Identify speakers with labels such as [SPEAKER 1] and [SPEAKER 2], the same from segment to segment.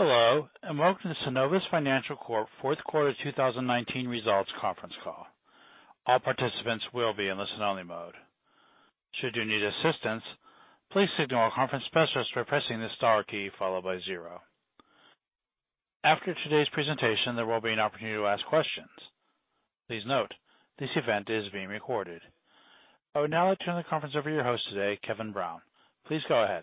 [SPEAKER 1] Hello, Welcome to Synovus Financial Corp fourth quarter 2019 results conference call. All participants will be in listen only mode. Should you need assistance, please signal a conference specialist by pressing the star key followed by zero. After today's presentation, there will be an opportunity to ask questions. Please note, this event is being recorded. I would now like to turn the conference over to your host today, Kevin Brown. Please go ahead.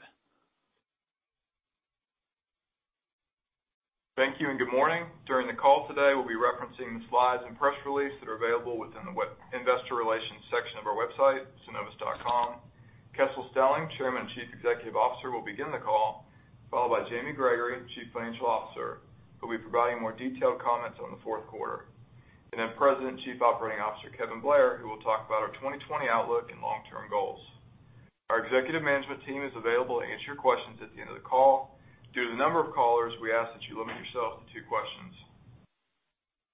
[SPEAKER 2] Thank you and good morning. During the call today, we'll be referencing the slides and press release that are available within the investor relations section of our website, synovus.com. Kessel Stelling, Chairman and Chief Executive Officer, will begin the call, followed by Jamie Gregory, Chief Financial Officer, who'll be providing more detailed comments on the fourth quarter. Then President, Chief Operating Officer, Kevin Blair, who will talk about our 2020 outlook and long-term goals. Our executive management team is available to answer your questions at the end of the call. Due to the number of callers, we ask that you limit yourself to two questions.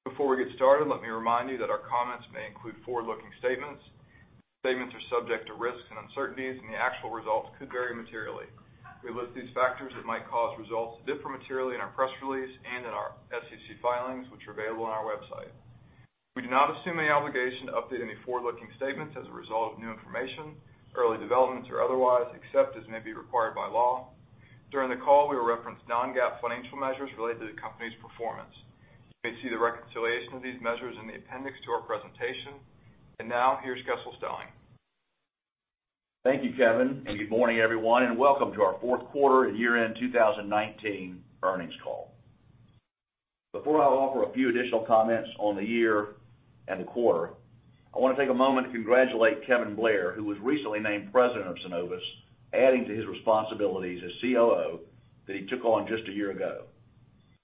[SPEAKER 2] Before we get started, let me remind you that our comments may include forward-looking statements. These statements are subject to risks and uncertainties, the actual results could vary materially. We list these factors that might cause results to differ materially in our press release and in our SEC filings, which are available on our website. We do not assume any obligation to update any forward-looking statements as a result of new information, early developments, or otherwise, except as may be required by law. During the call, we will reference non-GAAP financial measures related to the company's performance. You may see the reconciliation of these measures in the appendix to our presentation. Now, here's Kessel Stelling.
[SPEAKER 3] Thank you, Kevin, and good morning, everyone, and welcome to our fourth quarter and year-end 2019 earnings call. Before I offer a few additional comments on the year and the quarter, I want to take a moment to congratulate Kevin Blair, who was recently named President of Synovus, adding to his responsibilities as COO that he took on just a year ago.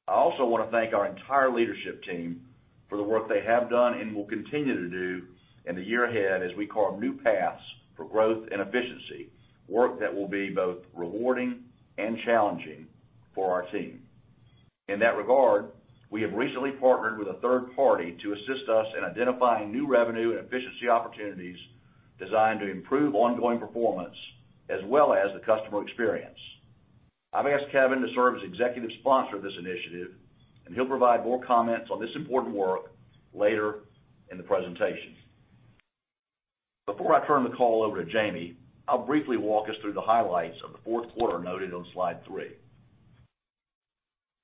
[SPEAKER 3] I also want to thank our entire leadership team for the work they have done and will continue to do in the year ahead as we carve new paths for growth and efficiency, work that will be both rewarding and challenging for our team. In that regard, we have recently partnered with a third party to assist us in identifying new revenue and efficiency opportunities designed to improve ongoing performance as well as the customer experience. I've asked Kevin to serve as executive sponsor of this initiative, and he'll provide more comments on this important work later in the presentation. Before I turn the call over to Jamie, I'll briefly walk us through the highlights of the fourth quarter noted on slide three.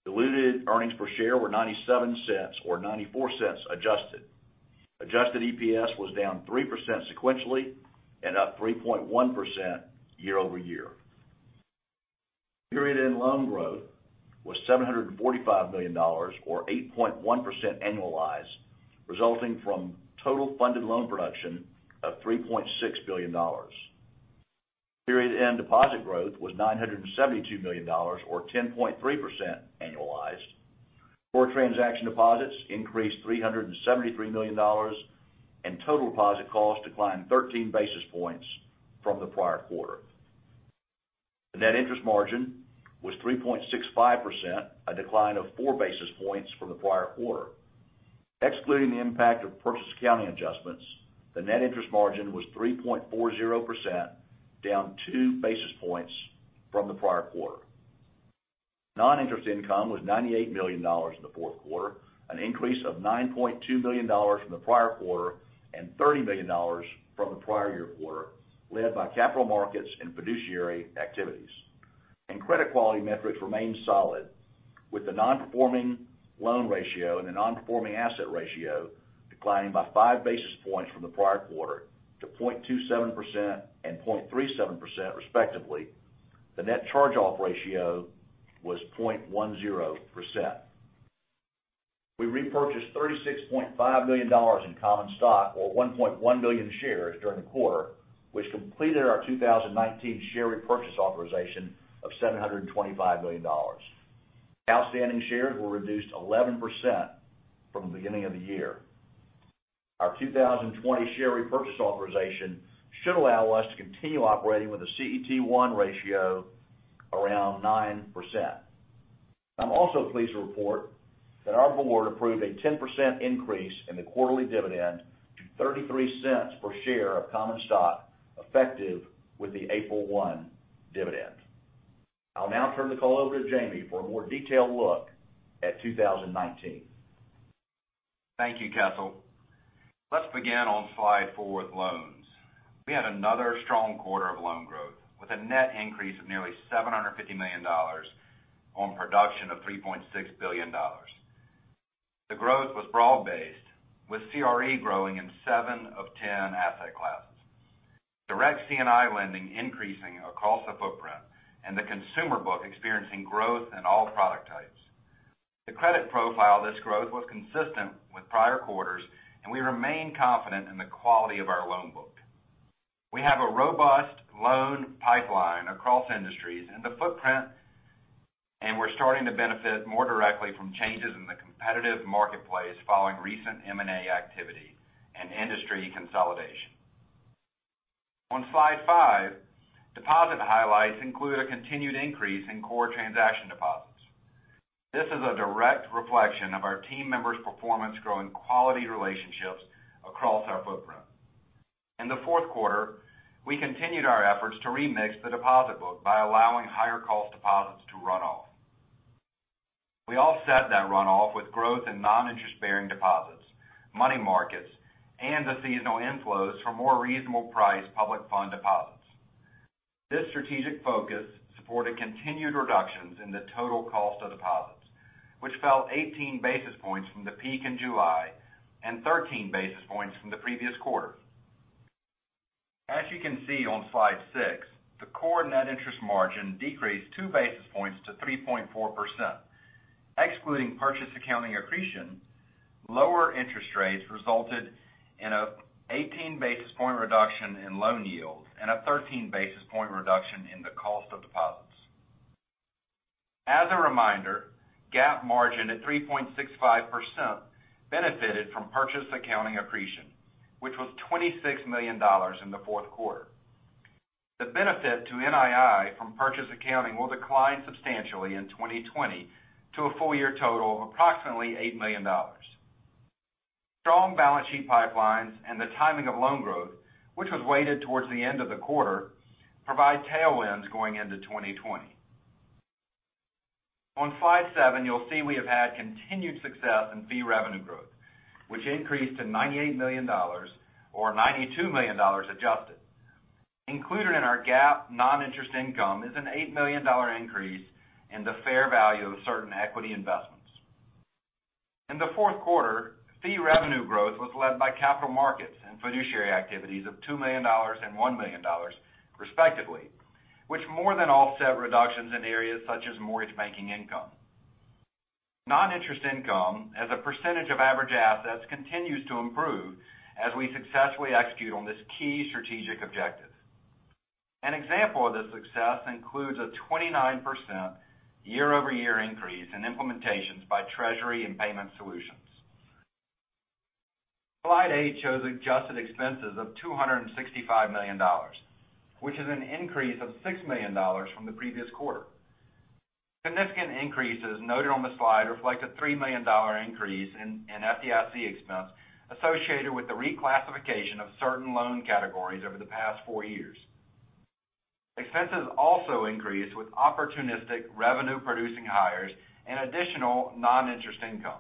[SPEAKER 3] Diluted earnings per share were $0.97 or $0.94 adjusted. Adjusted EPS was down 3% sequentially and up 3.1% year-over-year. Period end loan growth was $745 million or 8.1% annualized, resulting from total funded loan production of $3.6 billion. Period end deposit growth was $972 million or 10.3% annualized. Core transaction deposits increased $373 million and total deposit cost declined 13 basis points from the prior quarter. The net interest margin was 3.65%, a decline of four basis points from the prior quarter. Excluding the impact of purchase accounting adjustments, the net interest margin was 3.40%, down two basis points from the prior quarter. Non-interest income was $98 million in the fourth quarter, an increase of $9.2 million from the prior quarter and $30 million from the prior year quarter, led by capital markets and fiduciary activities. Credit quality metrics remained solid with the non-performing loan ratio and the non-performing asset ratio declining by five basis points from the prior quarter to 0.27% and 0.37%, respectively. The net charge-off ratio was 0.10%. We repurchased $36.5 million in common stock or 1.1 million shares during the quarter, which completed our 2019 share repurchase authorization of $725 million. Outstanding shares were reduced 11% from the beginning of the year. Our 2020 share repurchase authorization should allow us to continue operating with a CET1 ratio around 9%. I'm also pleased to report that our board approved a 10% increase in the quarterly dividend to $0.33 per share of common stock effective with the April 1 dividend. I'll now turn the call over to Jamie for a more detailed look at 2019.
[SPEAKER 4] Thank you, Kessel. Let' begin on slide four with loans. We had another strong quarter of loan growth with a net increase of nearly $750 million on production of $3.6 billion. The growth was broad-based, with CRE growing in seven of 10 asset classes. Direct C&I lending increasing across the footprint and the consumer book experiencing growth in all product types. The credit profile of this growth was consistent with prior quarters, and we remain confident in the quality of our loan book. We have a robust loan pipeline across industries in the footprint, and we're starting to benefit more directly from changes in the competitive marketplace following recent M&A activity and industry consolidation. On slide five, deposit highlights include a continued increase in core transaction deposits. This is a direct reflection of our team members' performance growing quality relationships across our footprint. In the fourth quarter, we continued our efforts to remix the deposit book by allowing higher cost deposits to run off. We offset that runoff with growth in non-interest bearing deposits, money markets, and the seasonal inflows for more reasonable price public fund deposits. This strategic focus supported continued reductions in the total cost of deposits, which fell 18 basis points from the peak in July and 13 basis points from the previous quarter. As you can see on slide six, the core net interest margin decreased two basis points to 3.4%. Excluding purchase accounting accretion, lower interest rates resulted in an 18 basis point reduction in loan yields and a 13 basis point reduction in the cost of deposits. As a reminder, GAAP margin at 3.65% benefited from purchase accounting accretion, which was $26 million in the fourth quarter. The benefit to NII from purchase accounting will decline substantially in 2020 to a full year total of approximately $8 million. Strong balance sheet pipelines and the timing of loan growth, which was weighted towards the end of the quarter, provide tailwinds going into 2020. On slide seven, you'll see we have had continued success in fee revenue growth, which increased to $98 million or $92 million adjusted. Included in our GAAP non-interest income is an $8 million increase in the fair value of certain equity investments. In the fourth quarter, fee revenue growth was led by Capital Markets and fiduciary activities of $2 million and $1 million respectively, which more than offset reductions in areas such as mortgage banking income. Non-interest income as a percentage of average assets continues to improve as we successfully execute on this key strategic objective. An example of this success includes a 29% year-over-year increase in implementations by Treasury & Payment Solutions. Slide eight shows adjusted expenses of $265 million, which is an increase of $6 million from the previous quarter. Significant increases noted on the slide reflect a $3 million increase in FDIC expense associated with the reclassification of certain loan categories over the past four years. Expenses also increased with opportunistic revenue producing hires and additional non-interest income.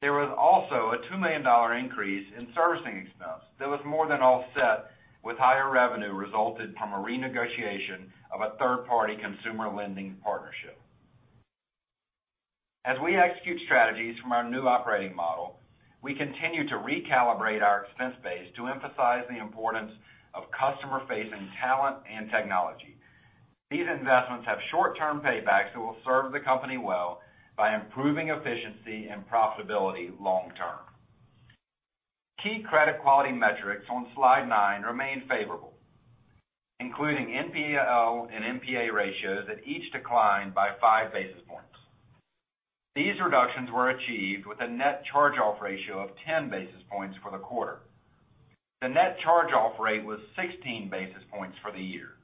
[SPEAKER 4] There was also a $2 million increase in servicing expense that was more than offset with higher revenue resulted from a renegotiation of a third-party consumer lending partnership. As we execute strategies from our new operating model, we continue to recalibrate our expense base to emphasize the importance of customer-facing talent and technology. These investments have short-term paybacks that will serve the company well by improving efficiency and profitability long-term. Key credit quality metrics on slide nine remain favorable, including NPA O and NPA ratios that each decline by five basis points. These reductions were achieved with a net charge-off ratio of 10 basis points for the quarter. The net charge-off rate was 16 basis points for the year.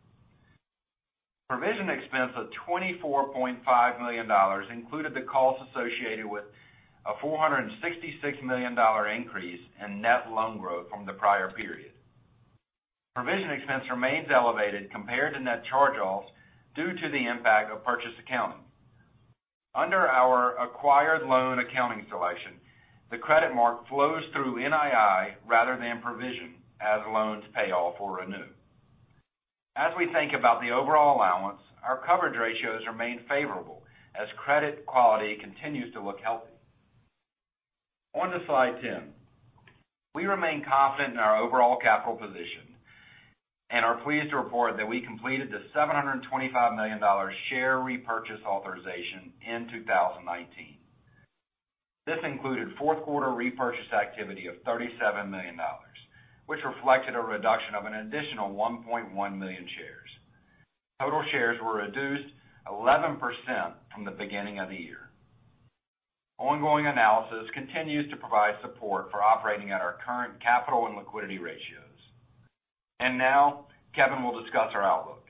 [SPEAKER 4] Provision expense of $24.5 million included the costs associated with a $466 million increase in net loan growth from the prior period. Provision expense remains elevated compared to net charge-offs due to the impact of purchase accounting. Under our acquired loan accounting selection, the credit mark flows through NII rather than provision as loans pay off or renew. As we think about the overall allowance, our coverage ratios remain favorable as credit quality continues to look healthy. On to slide 10. We remain confident in our overall capital position and are pleased to report that we completed the $725 million share repurchase authorization in 2019. This included fourth quarter repurchase activity of $37 million, which reflected a reduction of an additional 1.1 million shares. Total shares were reduced 11% from the beginning of the year. Ongoing analysis continues to provide support for operating at our current capital and liquidity ratios. Now Kevin will discuss our outlook.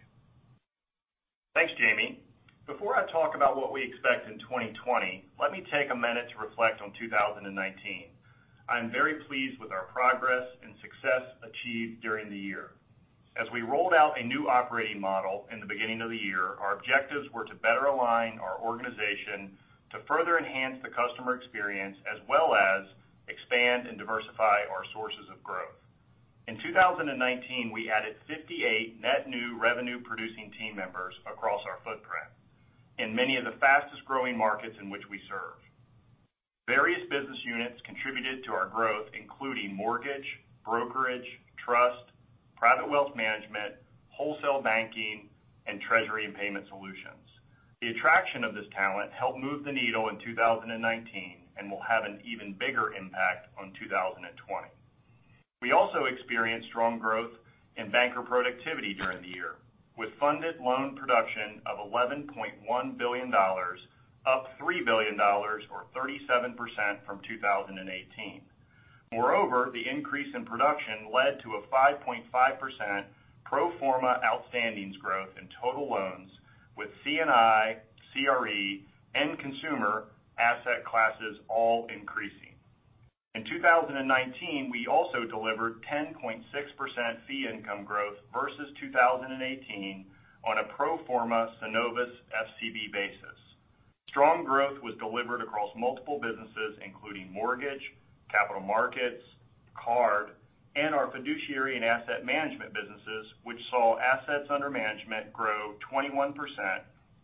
[SPEAKER 5] Thanks, Jamie. Before I talk about what we expect in 2020, let me take a minute to reflect on 2019. I am very pleased with our progress and success achieved during the year. As we rolled out a new operating model in the beginning of the year, our objectives were to better align our organization to further enhance the customer experience, as well as expand and We also experienced strong growth in banker productivity during the year with funded loan production of $11.1 billion, up $3 billion or 37% from 2018. Moreover, the increase in production led to a 5.5% pro forma outstandings growth in total loans with C&I, CRE, and consumer asset classes all increasing. In 2019, we also delivered 10.6% fee income growth versus 2018 on a pro forma Synovus FCB basis. Strong growth was delivered across multiple businesses including mortgage, capital markets, card, and our fiduciary and asset management businesses, which saw assets under management grow 21%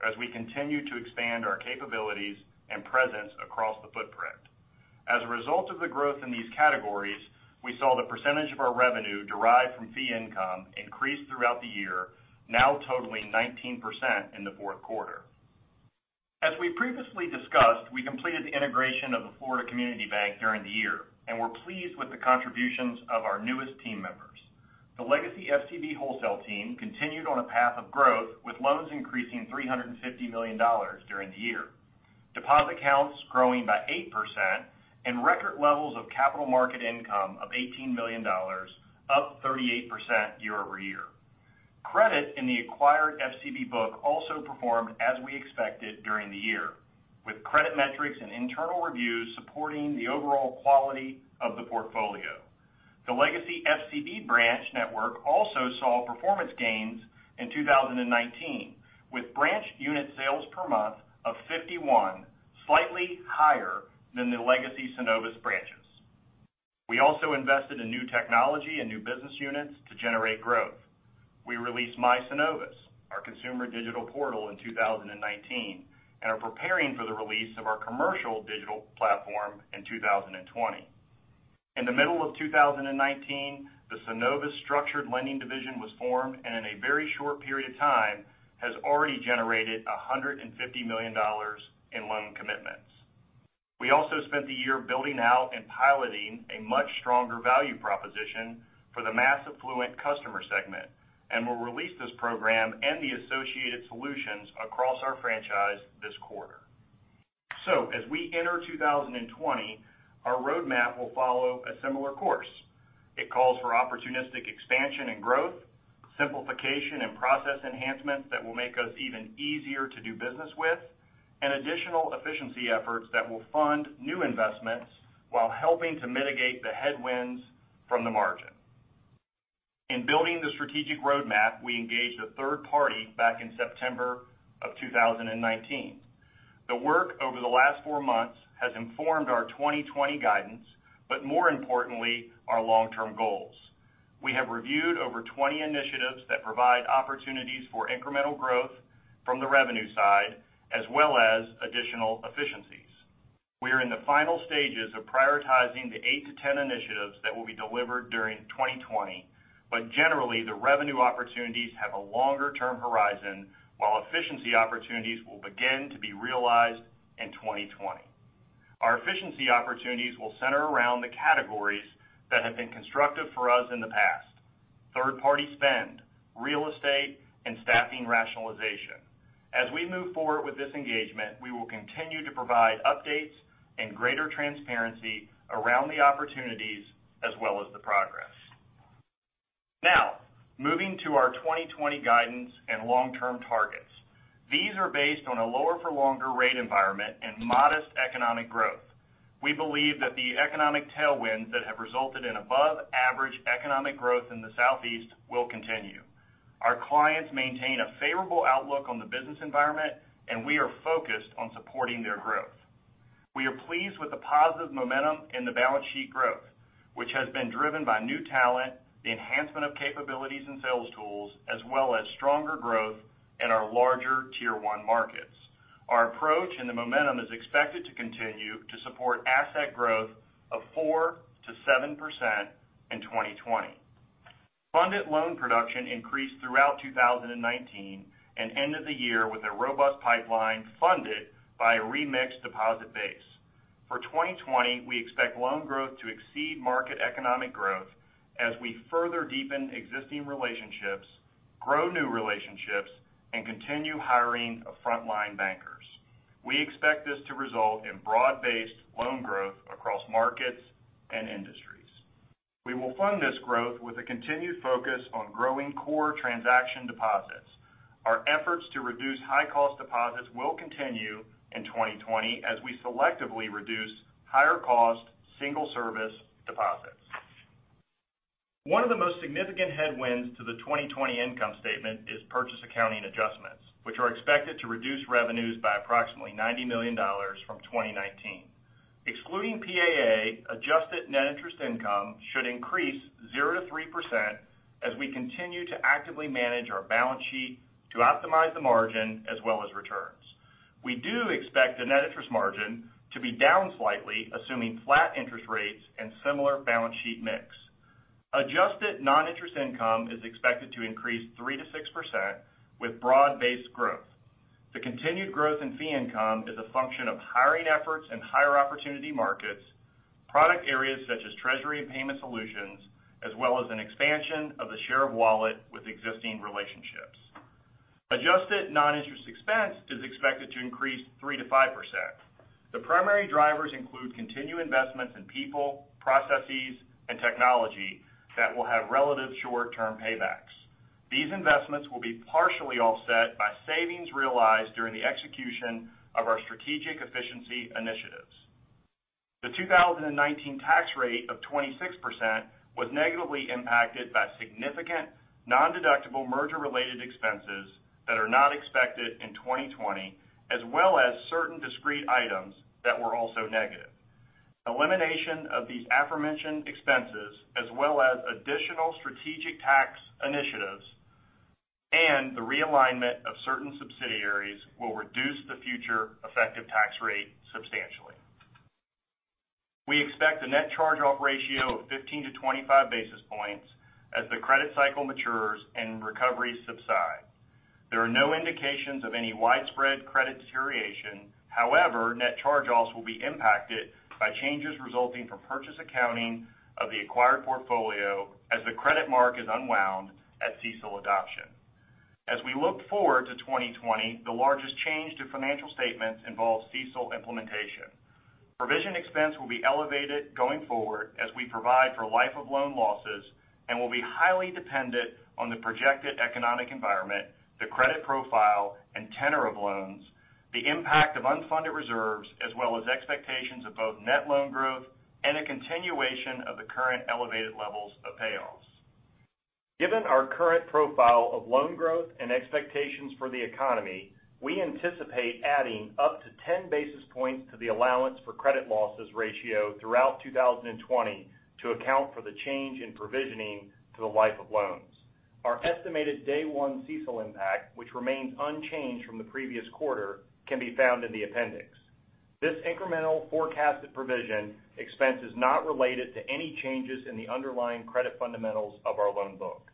[SPEAKER 5] as we continue to expand our capabilities and presence across the footprint. As a result of the growth in these categories, we saw the percentage of our revenue derived from fee income increase throughout the year, now totaling 19% in the fourth quarter. As we previously discussed, we completed the integration of the Florida Community Bank during the year, and we're pleased with the contributions of our newest team members. The legacy FCB wholesale team continued on a path of growth with loans increasing $350 million during the year. Deposit accounts growing by 8%, and record levels of capital market income of $18 million, up 38% year-over-year. Credit in the acquired FCB book also performed as we expected during the year, with credit metrics and internal reviews supporting the overall quality of the portfolio. The legacy FCB branch network also saw performance gains in 2019, with branch unit sales per month of 51, slightly higher than the legacy Synovus branches. We also invested in new technology and new business units to generate growth. We released My Synovus, our consumer digital portal, in 2019, and are preparing for the release of our commercial digital platform in 2020. In the middle of 2019, the Synovus Structured Lending division was formed, and in a very short period of time has already generated $150 million in loan commitments. We also spent the year building out and piloting a much stronger value proposition for the mass affluent customer segment, and will release this program and the associated solutions across our franchise this quarter. As we enter 2020, our roadmap will follow a similar course. It calls for opportunistic expansion and growth, simplification and process enhancements that will make us even easier to do business with, and additional efficiency efforts that will fund new investments while helping to mitigate the headwinds from the margin. In building the strategic roadmap, we engaged a third party back in September of 2019. The work over the last four months has informed our 2020 guidance, but more importantly, our long-term goals. We have reviewed over 20 initiatives that provide opportunities for incremental growth from the revenue side, as well as additional efficiencies. We are in the final stages of prioritizing the 8-10 initiatives that will be delivered during 2020, but generally, the revenue opportunities have a longer-term horizon, while efficiency opportunities will begin to be realized in 2020. Our efficiency opportunities will center around the categories that have been constructive for us in the past, third-party spend, real estate, and staffing rationalization. As we move forward with this engagement, we will continue to provide updates and greater transparency around the opportunities as well as the progress. Now, moving to our 2020 guidance and long-term targets. These are based on a lower-for-longer rate environment and modest economic growth. We believe that the economic tailwinds that have resulted in above-average economic growth in the Southeast will continue. Our clients maintain a favorable outlook on the business environment, and we are focused on supporting their growth. We are pleased with the positive momentum in the balance sheet growth, which has been driven by new talent, the enhancement of capabilities and sales tools, as well as stronger growth in our larger Tier 1 markets. Our approach and the momentum is expected to continue to support asset growth of 4%-7% in 2020. Funded loan production increased throughout 2019, and ended the year with a robust pipeline funded by a remixed deposit base. For 2020, we expect loan growth to exceed market economic growth as we further deepen existing relationships, grow new relationships, and continue hiring of frontline bankers. We expect this to result in broad-based loan growth across markets and industries. We will fund this growth with a continued focus on growing core transaction deposits. Our efforts to reduce high-cost deposits will continue in 2020 as we selectively reduce higher-cost single service deposits. One of the most significant headwinds to the 2020 income statement is purchase accounting adjustments, which are expected to reduce revenues by approximately $90 million from 2019. Excluding PAA, adjusted net interest income should increase 0%-3% as we continue to actively manage our balance sheet to optimize the margin as well as returns. We do expect the net interest margin to be down slightly, assuming flat interest rates and similar balance sheet mix. Adjusted non-interest income is expected to increase 3%-6% with broad-based growth. The continued growth in fee income is a function of hiring efforts in higher opportunity markets, product areas such as Treasury & Payment Solutions, as well as an expansion of the share of wallet with existing relationships. Adjusted non-interest expense is expected to increase 3%-5%. The primary drivers include continued investments in people, processes, and technology that will have relative short-term paybacks. These investments will be partially offset by savings realized during the execution of our strategic efficiency initiatives. The 2019 tax rate of 26% was negatively impacted by significant non-deductible merger-related expenses that are not expected in 2020, as well as certain discrete items that were also negative. Elimination of these aforementioned expenses, as well as additional strategic tax initiatives and the realignment of certain subsidiaries, will reduce the future effective tax rate substantially. We expect a net charge-off ratio of 15-25 basis points as the credit cycle matures and recoveries subside. There are no indications of any widespread credit deterioration. However, net charge-offs will be impacted by changes resulting from purchase accounting of the acquired portfolio as the credit mark is unwound at CECL adoption. As we look forward to 2020, the largest change to financial statements involves CECL implementation. Provision expense will be elevated going forward as we provide for life of loan losses and will be highly dependent on the projected economic environment, the credit profile, and tenor of loans, the impact of unfunded reserves, as well as expectations of both net loan growth and a continuation of the current elevated levels of payoffs. Given our current profile of loan growth and expectations for the economy, we anticipate adding up to 10 basis points to the allowance for credit losses ratio throughout 2020 to account for the change in provisioning to the life of loans. Our estimated day one CECL impact, which remains unchanged from the previous quarter, can be found in the appendix. This incremental forecasted provision expense is not related to any changes in the underlying credit fundamentals of our loan book.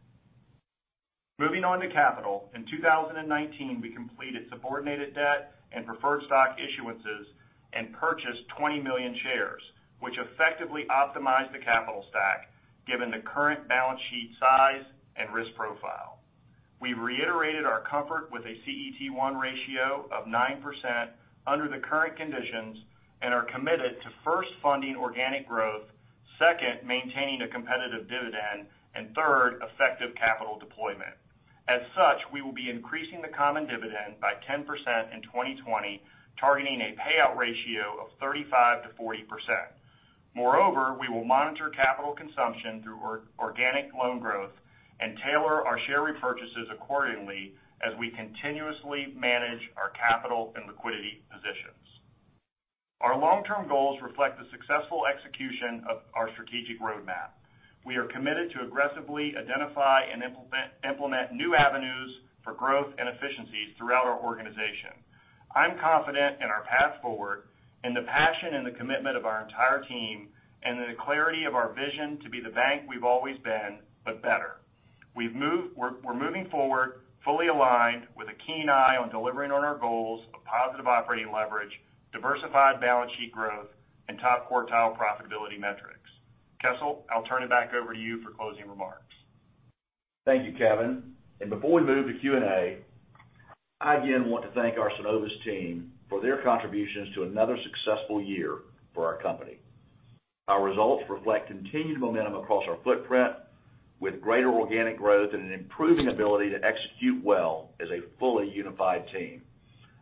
[SPEAKER 5] Moving on to capital. In 2019, we completed subordinated debt and preferred stock issuances and purchased 20 million shares, which effectively optimized the capital stack given the current balance sheet size and risk profile. We reiterated our comfort with a CET1 ratio of 9% under the current conditions and are committed to 1st funding organic growth, 2nd, maintaining a competitive dividend, and 3rd, effective capital deployment. As such, we will be increasing the common dividend by 10% in 2020, targeting a payout ratio of 35%-40%. Moreover, we will monitor capital consumption through organic loan growth and tailor our share repurchases accordingly as we continuously manage our capital and liquidity positions. Our long-term goals reflect the successful execution of our strategic roadmap. We are committed to aggressively identify and implement new avenues for growth and efficiencies throughout our organization. I'm confident in our path forward and the passion and the commitment of our entire team and the clarity of our vision to be the bank we've always been, but better. We're moving forward, fully aligned with a keen eye on delivering on our goals of positive operating leverage, diversified balance sheet growth, and top quartile profitability metrics. Kessel, I'll turn it back over to you for closing remarks.
[SPEAKER 3] Thank you, Kevin. Before we move to Q&A, I again want to thank our Synovus team for their contributions to another successful year for our company. Our results reflect continued momentum across our footprint with greater organic growth and an improving ability to execute well as a fully unified team.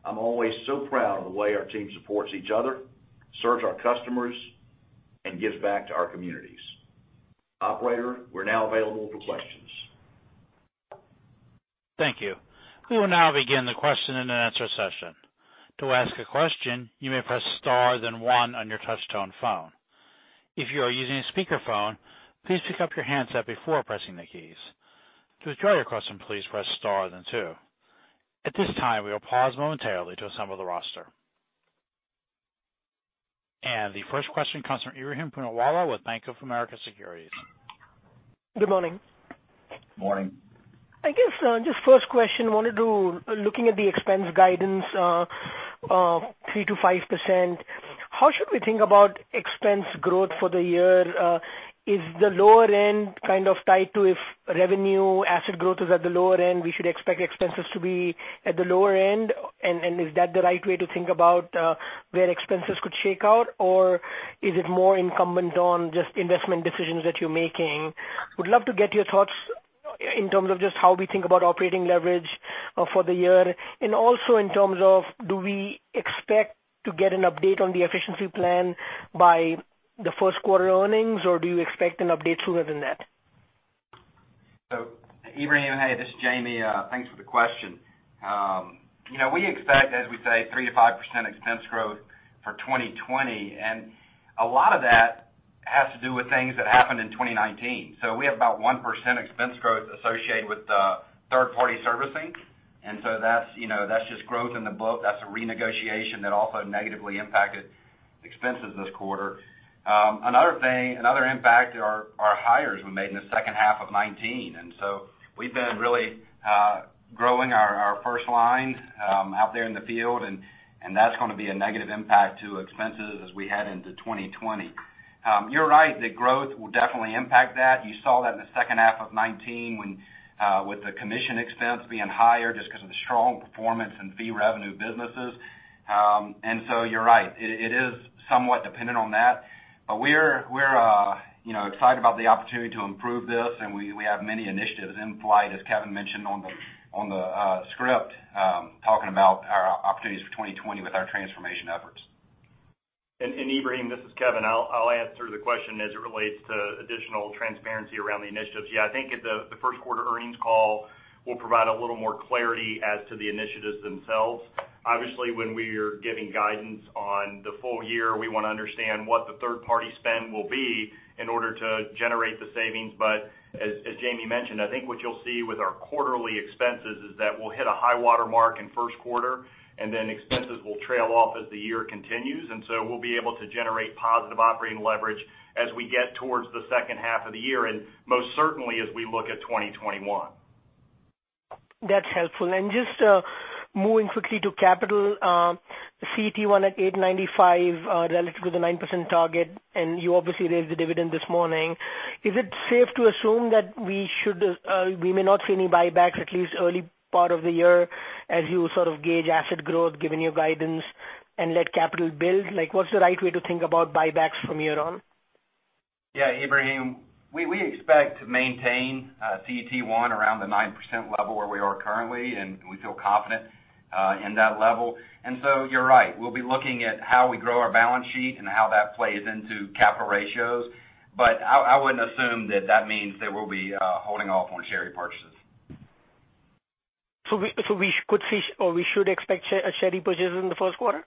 [SPEAKER 3] I'm always so proud of the way our team supports each other, serves our customers, and gives back to our communities. Operator, we're now available for questions.
[SPEAKER 1] Thank you. We will now begin the question and answer session. The 1st question comes from Ebrahim Poonawala with Bank of America Securities.
[SPEAKER 6] Good morning.
[SPEAKER 3] Morning.
[SPEAKER 6] I guess, just 1st question, wanted to, looking at the expense guidance of 3%-5%, how should we think about expense growth for the year? Is the lower end kind of tied to if revenue asset growth is at the lower end, we should expect expenses to be at the lower end? Is that the right way to think about where expenses could shake out? Is it more incumbent on just investment decisions that you're making? Would love to get your thoughts in terms of just how we think about operating leverage for the year. Also in terms of do we expect to get an update on the efficiency plan by the first quarter earnings, or do you expect an update sooner than that?
[SPEAKER 4] Ebrahim, hey, this is Jamie. Thanks for the question. We expect, as we say, 3%-5% expense growth for 2020. A lot of that has to do with things that happened in 2019. We have about 1% expense growth associated with third-party servicing. That's just growth in the book. That's a renegotiation that also negatively impacted expenses this quarter. Another impact are hires we made in the second half of 2019. We've been really growing our first line out there in the field and that's going to be a negative impact to expenses as we head into 2020. You're right, the growth will definitely impact that. You saw that in the second half of 2019 with the commission expense being higher just because of the strong performance in fee revenue businesses. You're right, it is somewhat dependent on that. We're excited about the opportunity to improve this, and we have many initiatives in flight, as Kevin mentioned on the script, talking about our opportunities for 2020 with our transformation efforts.
[SPEAKER 5] Ebrahim, this is Kevin. I'll answer the question as it relates to additional transparency around the initiatives. I think at the first quarter earnings call, we'll provide a little more clarity as to the initiatives themselves. Obviously, when we are giving guidance on the full year, we want to understand what the third-party spend will be in order to generate the savings. As Jamie mentioned, I think what you'll see with our quarterly expenses is that we'll hit a high water mark in first quarter, and then expenses will trail off as the year continues. We'll be able to generate positive operating leverage as we get towards the second half of the year, and most certainly as we look at 2021.
[SPEAKER 6] That's helpful. Moving quickly to capital, CET1 at 8.95% relative to the 9% target, you obviously raised the dividend this morning. Is it safe to assume that we may not see any buybacks at least early part of the year as you sort of gauge asset growth, given your guidance, and let capital build? What's the right way to think about buybacks from here on?
[SPEAKER 4] Yeah, Ebrahim. We expect to maintain CET1 around the 9% level where we are currently, and we feel confident in that level. You're right. We'll be looking at how we grow our balance sheet and how that plays into capital ratios. I wouldn't assume that that means that we'll be holding off on share repurchases.
[SPEAKER 6] We should expect a share repurchase in the first quarter?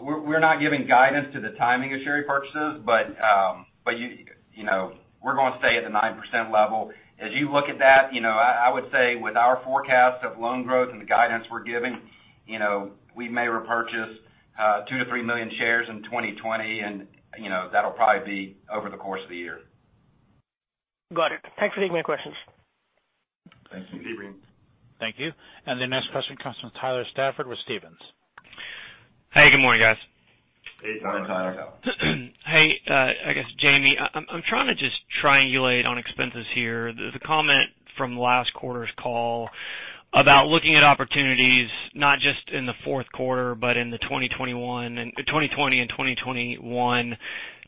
[SPEAKER 4] We're not giving guidance to the timing of share purchases. We're going to stay at the 9% level. As you look at that, I would say with our forecast of loan growth and the guidance we're giving, we may repurchase 2 million-3 million shares in 2020. That'll probably be over the course of the year.
[SPEAKER 6] Got it. Thanks for taking my questions.
[SPEAKER 5] Thanks.
[SPEAKER 4] Ebrahim.
[SPEAKER 1] Thank you. The next question comes from Tyler Stafford with Stephens.
[SPEAKER 7] Hey, good morning, guys.
[SPEAKER 5] Hey, Tyler. How are you?
[SPEAKER 7] Hey, I guess, Jamie, I'm trying to just triangulate on expenses here. The comment from last quarter's call about looking at opportunities not just in the fourth quarter but in the 2020 and 2021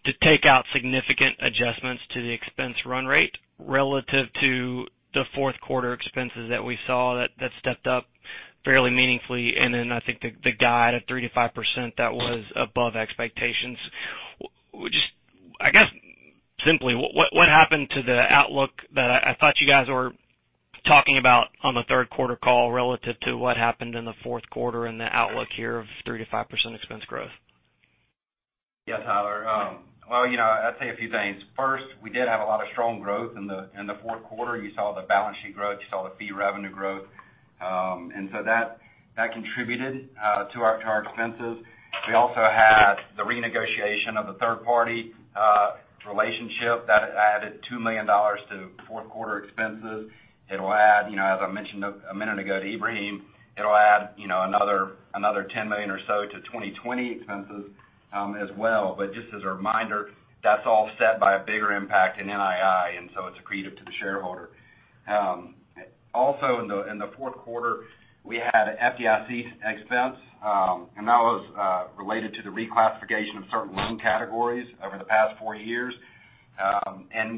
[SPEAKER 7] to take out significant adjustments to the expense run rate relative to the fourth quarter expenses that we saw that stepped up fairly meaningfully. I think the guide of 3%-5% that was above expectations. Just, I guess, simply, what happened to the outlook that I thought you guys were talking about on the third quarter call relative to what happened in the fourth quarter and the outlook here of 3%-5% expense growth?
[SPEAKER 4] Yeah, Tyler. Well, I'd say a few things. 1st, we did have a lot of strong growth in the fourth quarter. You saw the balance sheet growth, you saw the fee revenue growth. That contributed to our expenses. We also had the renegotiation of the third party relationship that added $2 million to fourth quarter expenses. It'll add, as I mentioned a minute ago to Ebrahim, it'll add another $10 million or so to 2020 expenses as well. Just as a reminder, that's all set by a bigger impact in NII, it's accretive to the shareholder. Also in the fourth quarter, we had FDIC expense, that was related to the reclassification of certain loan categories over the past four years.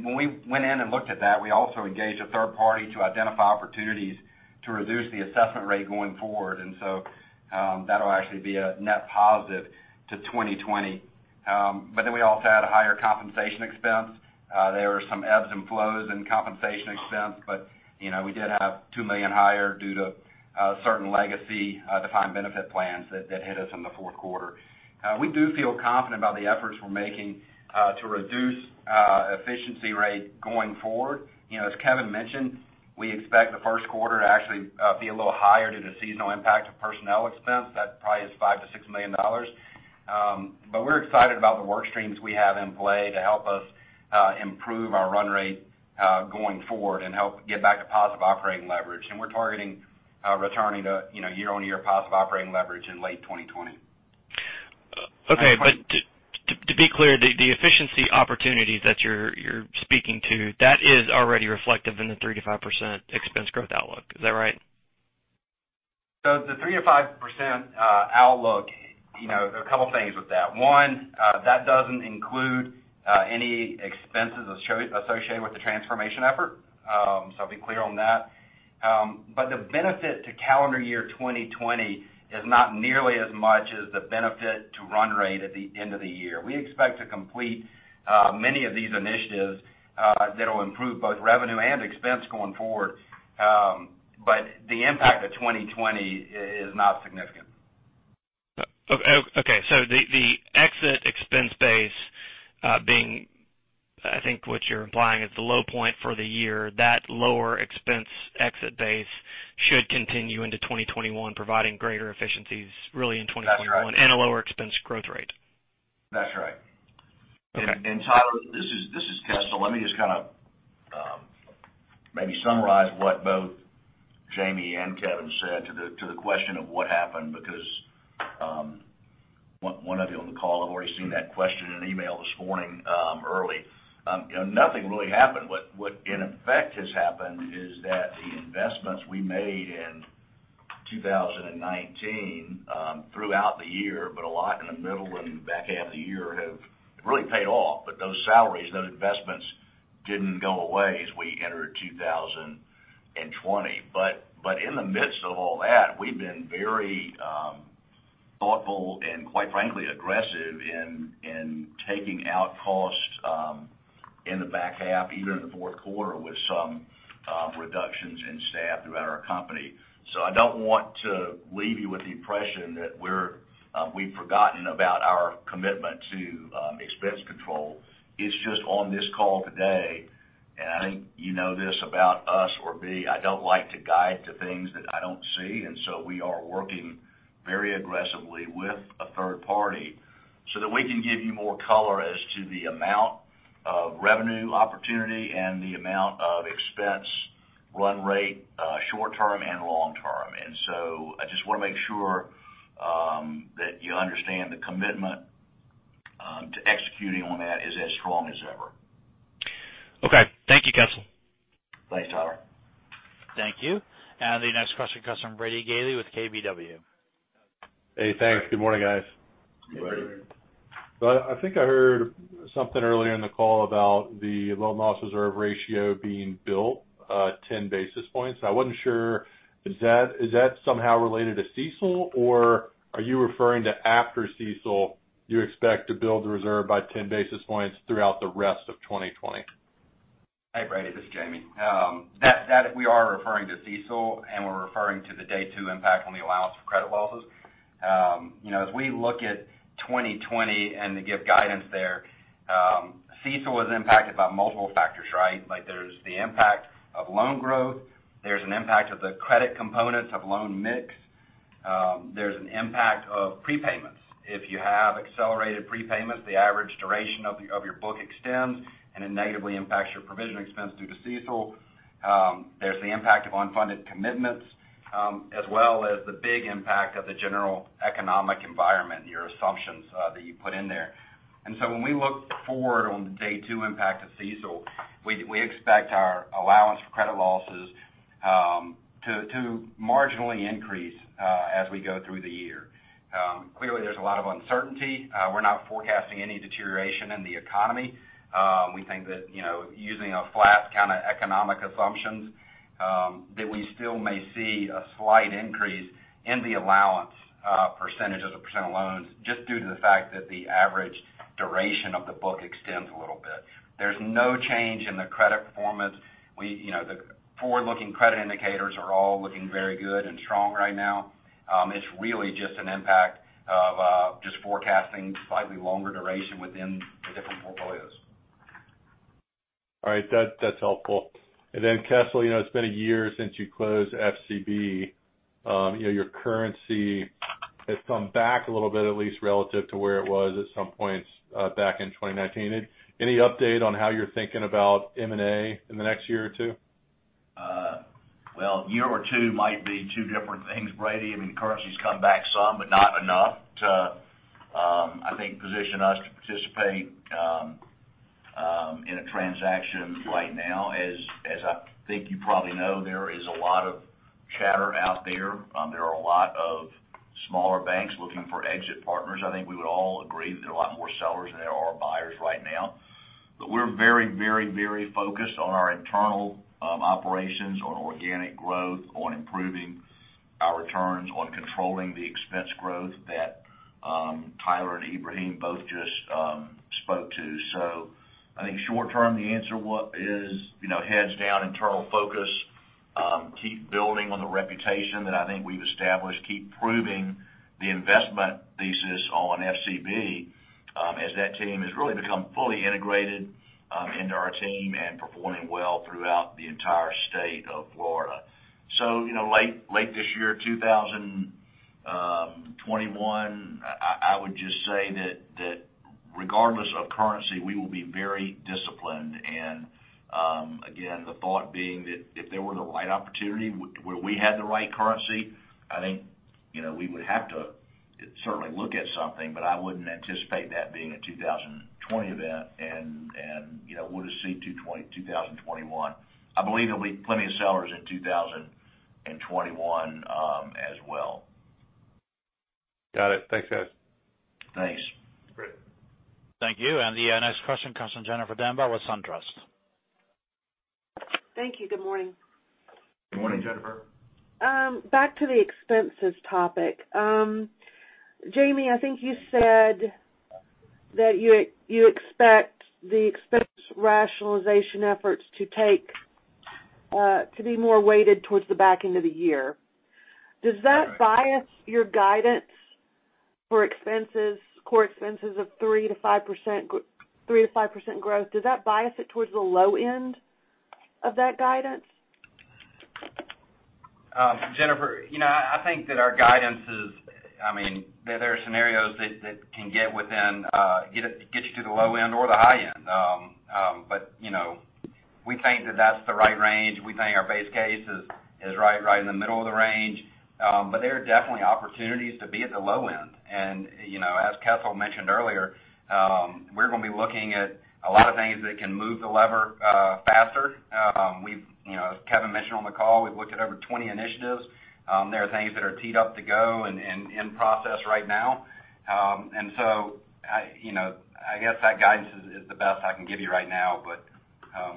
[SPEAKER 4] When we went in and looked at that, we also engaged a third party to identify opportunities to reduce the assessment rate going forward. That will actually be a net positive to 2020. We also had a higher compensation expense. There were some ebbs and flows in compensation expense, but we did have $2 million higher due to certain legacy defined benefit plans that hit us in the fourth quarter. We do feel confident about the efforts we're making to reduce efficiency rate going forward. As Kevin mentioned, we expect the first quarter to actually be a little higher due to seasonal impact of personnel expense. That probably is $5 million-$6 million. We're excited about the work streams we have in play to help us improve our run rate going forward and help get back to positive operating leverage. We're targeting returning to year-on-year positive operating leverage in late 2020.
[SPEAKER 7] Okay. To be clear, the efficiency opportunities that you're speaking to, that is already reflective in the 3%-5% expense growth outlook. Is that right?
[SPEAKER 4] The 3%-5% outlook, there are a couple things with that. One, that doesn't include any expenses associated with the transformation effort. I'll be clear on that. The benefit to calendar year 2020 is not nearly as much as the benefit to run rate at the end of the year. We expect to complete many of these initiatives that will improve both revenue and expense going forward. The impact of 2020 is not significant.
[SPEAKER 7] Okay. The exit expense base being, I think what you're implying, it's the low point for the year. That lower expense exit base should continue into 2021 providing greater efficiencies really in 2021 and a lower expense growth rate.
[SPEAKER 4] That's right.
[SPEAKER 3] Okay. Tyler, this is Kessel. Maybe summarize what both Jamie and Kevin said to the question of what happened because one of you on the call have already seen that question in an email this morning early. Nothing really happened. What in effect has happened is that the investments we made in 2019 throughout the year, but a lot in the middle and back half of the year, have really paid off. Those salaries, those investments didn't go away as we entered 2020. In the midst of all that, we've been very thoughtful and quite frankly, aggressive in taking out costs in the back half, even in the fourth quarter with some reductions in staff throughout our company. I don't want to leave you with the impression that we've forgotten about our commitment to expense control. It's just on this call today. I think you know this about us or me, I don't like to guide to things that I don't see. We are working very aggressively with a third party so that we can give you more color as to the amount of revenue opportunity and the amount of expense run rate, short-term and long-term. I just want to make sure that you understand the commitment to executing on that is as strong as ever.
[SPEAKER 7] Okay. Thank you, Kessel.
[SPEAKER 3] Thanks, Tyler.
[SPEAKER 1] Thank you. The next question comes from Brady Gailey with KBW.
[SPEAKER 8] Hey, thanks. Good morning, guys.
[SPEAKER 3] Good morning.
[SPEAKER 8] I think I heard something earlier in the call about the loan loss reserve ratio being built 10 basis points. I wasn't sure, is that somehow related to CECL, or are you referring to after CECL, you expect to build the reserve by 10 basis points throughout the rest of 2020?
[SPEAKER 4] Hey, Brady, this is Jamie. We are referring to CECL, and we're referring to the Day 2 impact on the allowance for credit losses. As we look at 2020 and to give guidance there, CECL was impacted by multiple factors, right? There's the impact of loan growth, there's an impact of the credit components of loan mix, there's an impact of prepayments. If you have accelerated prepayments, the average duration of your book extends, and it negatively impacts your provision expense due to CECL. There's the impact of unfunded commitments, as well as the big impact of the general economic environment, your assumptions that you put in there. When we look forward on the Day 2 impact of CECL, we expect our allowance for credit losses to marginally increase as we go through the year. Clearly, there's a lot of uncertainty. We're not forecasting any deterioration in the economy. We think that using a flat kind of economic assumptions that we still may see a slight increase in the allowance percentage as a percent of loans just due to the fact that the average duration of the book extends a little bit. There's no change in the credit performance. The forward-looking credit indicators are all looking very good and strong right now. It's really just an impact of just forecasting slightly longer duration within the different portfolios.
[SPEAKER 8] All right. That's helpful. Then, Kessel, it's been a year since you closed FCB. Your currency has come back a little bit, at least relative to where it was at some points back in 2019. Any update on how you're thinking about M&A in the next year or two?
[SPEAKER 3] Well, year or two might be two different things, Brady. The currency's come back some, not enough to, I think, position us to participate in a transaction right now. As I think you probably know, there is a lot of chatter out there. There are a lot of smaller banks looking for exit partners. I think we would all agree that there are a lot more sellers than there are buyers right now. We're very focused on our internal operations, on organic growth, on improving our returns, on controlling the expense growth that Tyler and Ebrahim both just spoke to. I think short term, the answer is heads down, internal focus. Keep building on the reputation that I think we've established. Keep proving the investment thesis on FCB as that team has really become fully integrated into our team and performing well throughout the entire state of Florida. Late this year, 2021, I would just say that regardless of currency, we will be very disciplined. Again, the thought being that if there were the right opportunity where we had the right currency, I think we would have to certainly look at something, but I wouldn't anticipate that being a 2020 event, and would see 2021. I believe there'll be plenty of sellers in 2021 as well.
[SPEAKER 8] Got it. Thanks, guys.
[SPEAKER 3] Thanks.
[SPEAKER 4] Great.
[SPEAKER 1] Thank you. The next question comes from Jennifer Demba with SunTrust.
[SPEAKER 9] Thank you. Good morning.
[SPEAKER 3] Good morning, Jennifer.
[SPEAKER 9] Back to the expenses topic. Jamie, I think you said that you expect the expense rationalization efforts to be more weighted towards the back end of the year. Does that bias your guidance for core expenses of 3%-5% growth? Does that bias it towards the low end of that guidance?
[SPEAKER 4] Jennifer, I think that our guidance is, there are scenarios that can get you to the low end or the high end. We think that that's the right range. We think our base case is right in the middle of the range. There are definitely opportunities to be at the low end. As Kessel mentioned earlier, we're going to be looking at a lot of things that can move the lever faster. As Kevin mentioned on the call, we've looked at over 20 initiatives. There are things that are teed up to go and in process right now. I guess that guidance is the best I can give you right now, but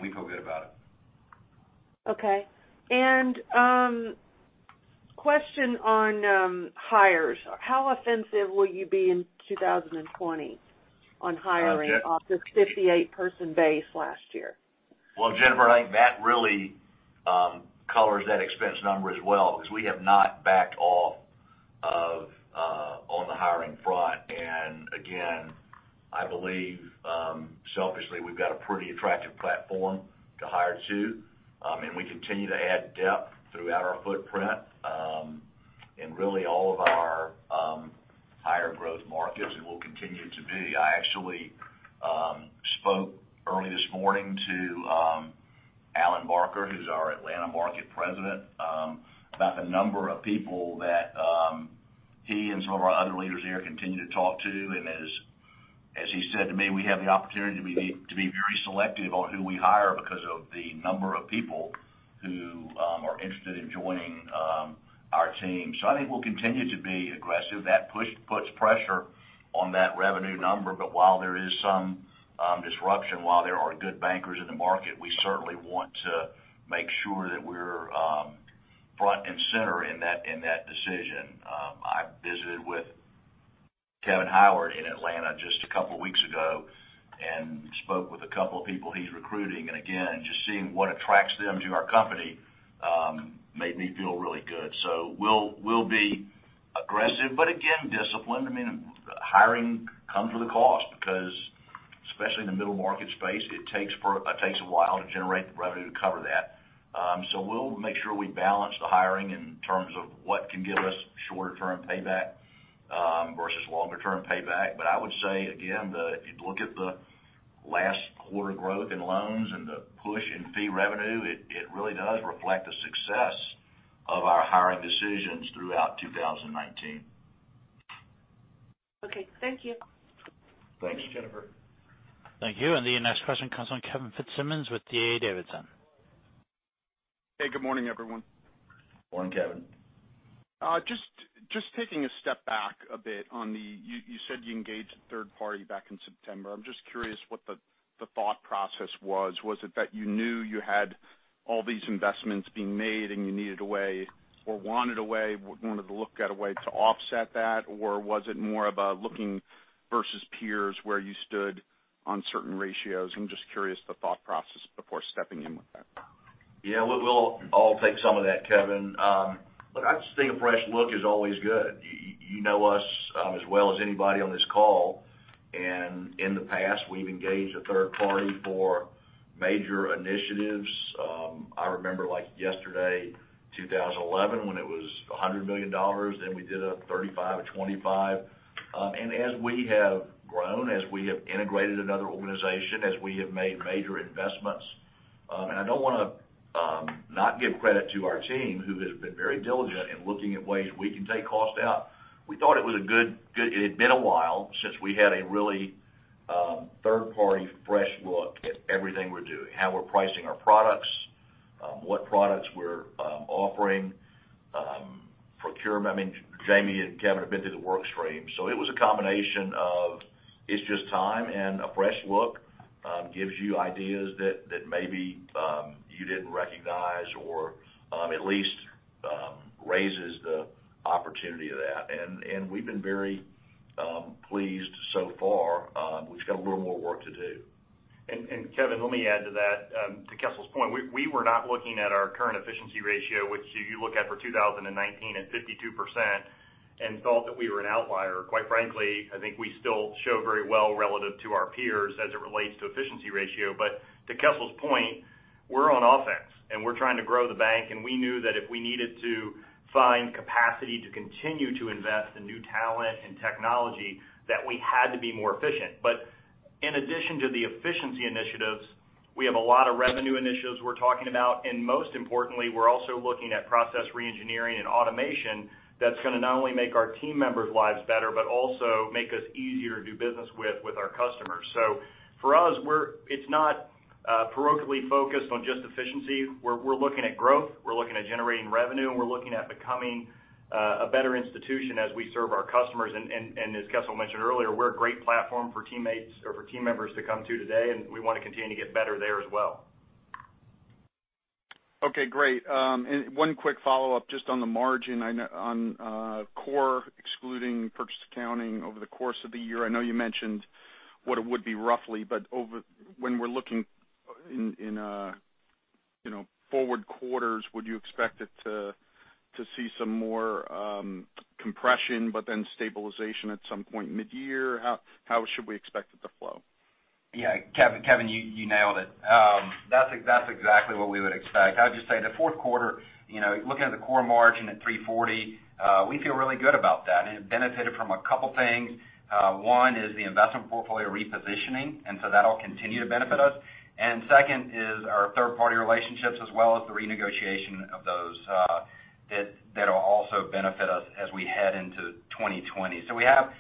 [SPEAKER 4] we feel good about it.
[SPEAKER 9] Okay. Question on hires. How offensive will you be in 2020 on hiring off this 58 person base last year?
[SPEAKER 3] Well, Jennifer, I think that really covers that expense number as well, because we have not backed off on the hiring front. Again, I believe selfishly, we've got a pretty attractive platform to hire to. We continue to add depth throughout our footprint, in really all of our higher growth markets, and will continue to be. I actually spoke early this morning to Allen Barker, who's our Atlanta Market President, about the number of people that he and some of our other leaders there continue to talk to. As he said to me, we have the opportunity to be very selective on who we hire because of the number of people who are interested in joining our team. I think we'll continue to be aggressive. That puts pressure on that revenue number. While there is some disruption, while there are good bankers in the market, we certainly want to make sure that we're front and center in that decision. I visited with Kevin Howard in Atlanta just a couple of weeks ago and spoke with a couple of people he's recruiting. Again, just seeing what attracts them to our company made me feel really good. We'll be aggressive but again, disciplined. Hiring comes with a cost because especially in the middle market space, it takes a while to generate the revenue to cover that. We'll make sure we balance the hiring in terms of what can give us shorter term payback versus longer term payback. I would say, again, if you look at the last quarter growth in loans and the push in fee revenue, it really does reflect the success of our hiring decisions throughout 2019.
[SPEAKER 9] Okay. Thank you.
[SPEAKER 3] Thanks.
[SPEAKER 5] Thanks, Jennifer.
[SPEAKER 1] Thank you. The next question comes from Kevin Fitzsimmons with D.A. Davidson.
[SPEAKER 10] Hey, good morning, everyone.
[SPEAKER 3] Morning, Kevin.
[SPEAKER 10] Just taking a step back a bit you said you engaged a third party back in September. I'm just curious what the thought process was. Was it that you knew you had all these investments being made and you needed a way or wanted to look at a way to offset that? Or was it more about looking versus peers where you stood on certain ratios? I'm just curious the thought process before stepping in with that.
[SPEAKER 3] Yeah. We'll all take some of that, Kevin. Look, I just think a fresh look is always good. You know us as well as anybody on this call, and in the past, we've engaged a third party for major initiatives. I remember like yesterday, 2011, when it was $100 million, then we did a $35 or $25. As we have grown, as we have integrated another organization, as we have made major investments, I don't want to not give credit to our team who has been very diligent in looking at ways we can take cost out. We thought it had been a while since we had a really third-party fresh look at everything we're doing, how we're pricing our products, what products we're offering. Jamie and Kevin have been through the work stream. It was a combination of, it's just time and a fresh look gives you ideas that maybe you didn't recognize or at least raises the opportunity of that. We've been very pleased so far. We've got a little more work to do.
[SPEAKER 5] Kevin, let me add to that. To Kessel's point, we were not looking at our current efficiency ratio, which you look at for 2019 at 52%, thought that we were an outlier. Quite frankly, I think we still show very well relative to our peers as it relates to efficiency ratio. To Kessel's point, we're on offense and we're trying to grow the bank, and we knew that if we needed to find capacity to continue to invest in new talent and technology, that we had to be more efficient. In addition to the efficiency initiatives, we have a lot of revenue initiatives we're talking about, and most importantly, we're also looking at process re-engineering and automation that's going to not only make our team members' lives better, but also make us easier to do business with our customers. For us, it's not proactively focused on just efficiency. We're looking at growth, we're looking at generating revenue, and we're looking at becoming a better institution as we serve our customers. As Kessel mentioned earlier, we're a great platform for teammates or for team members to come to today, and we want to continue to get better there as well.
[SPEAKER 10] Okay, great. One quick follow-up just on the margin on core excluding purchase accounting over the course of the year. I know you mentioned what it would be roughly, but when we're looking in forward quarters, would you expect it to see some more compression but then stabilization at some point mid-year? How should we expect it to flow?
[SPEAKER 4] Yeah, Kevin, you nailed it. That's exactly what we would expect. I would just say the fourth quarter, looking at the core margin at 340, we feel really good about that, and it benefited from a couple things. One is the investment portfolio repositioning, that'll continue to benefit us. is our third-party relationships as well as the renegotiation of those that'll also benefit us as we head into 2020. We have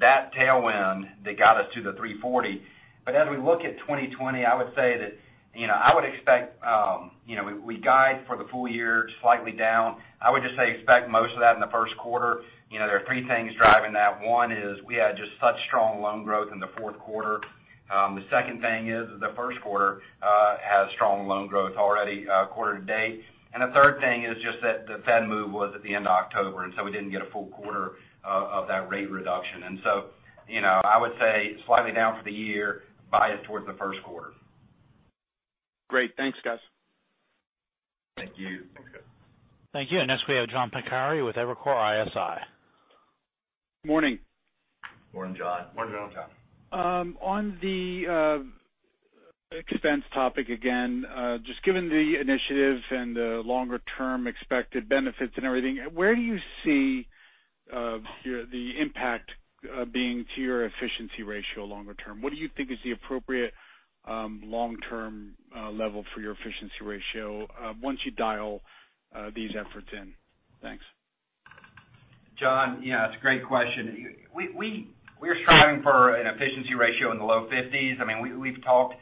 [SPEAKER 4] that tailwind that got us to the 340. As we look at 2020, I would say that I would expect, we guide for the full year slightly down. I would just say expect most of that in the first quarter. There are three things driving that. One is we had just such strong loan growth in the fourth quarter. The 2nd thing is the first quarter has strong loan growth already quarter to date. The 3rd thing is just that the Fed move was at the end of October, and so we didn't get a full quarter of that rate reduction. I would say slightly down for the year, biased towards the first quarter.
[SPEAKER 10] Great. Thanks, guys.
[SPEAKER 4] Thank you.
[SPEAKER 11] Thanks, guys.
[SPEAKER 1] Thank you. Next, we have John Pancari with Evercore ISI.
[SPEAKER 12] Morning.
[SPEAKER 4] Morning, John.
[SPEAKER 11] Morning, John.
[SPEAKER 12] On the expense topic again, just given the initiatives and the longer term expected benefits and everything, where do you see the impact being to your efficiency ratio longer term? What do you think is the appropriate long-term level for your efficiency ratio once you dial these efforts in? Thanks.
[SPEAKER 4] John, yeah, it's a great question. We're striving for an efficiency ratio in the low 50s. We've talked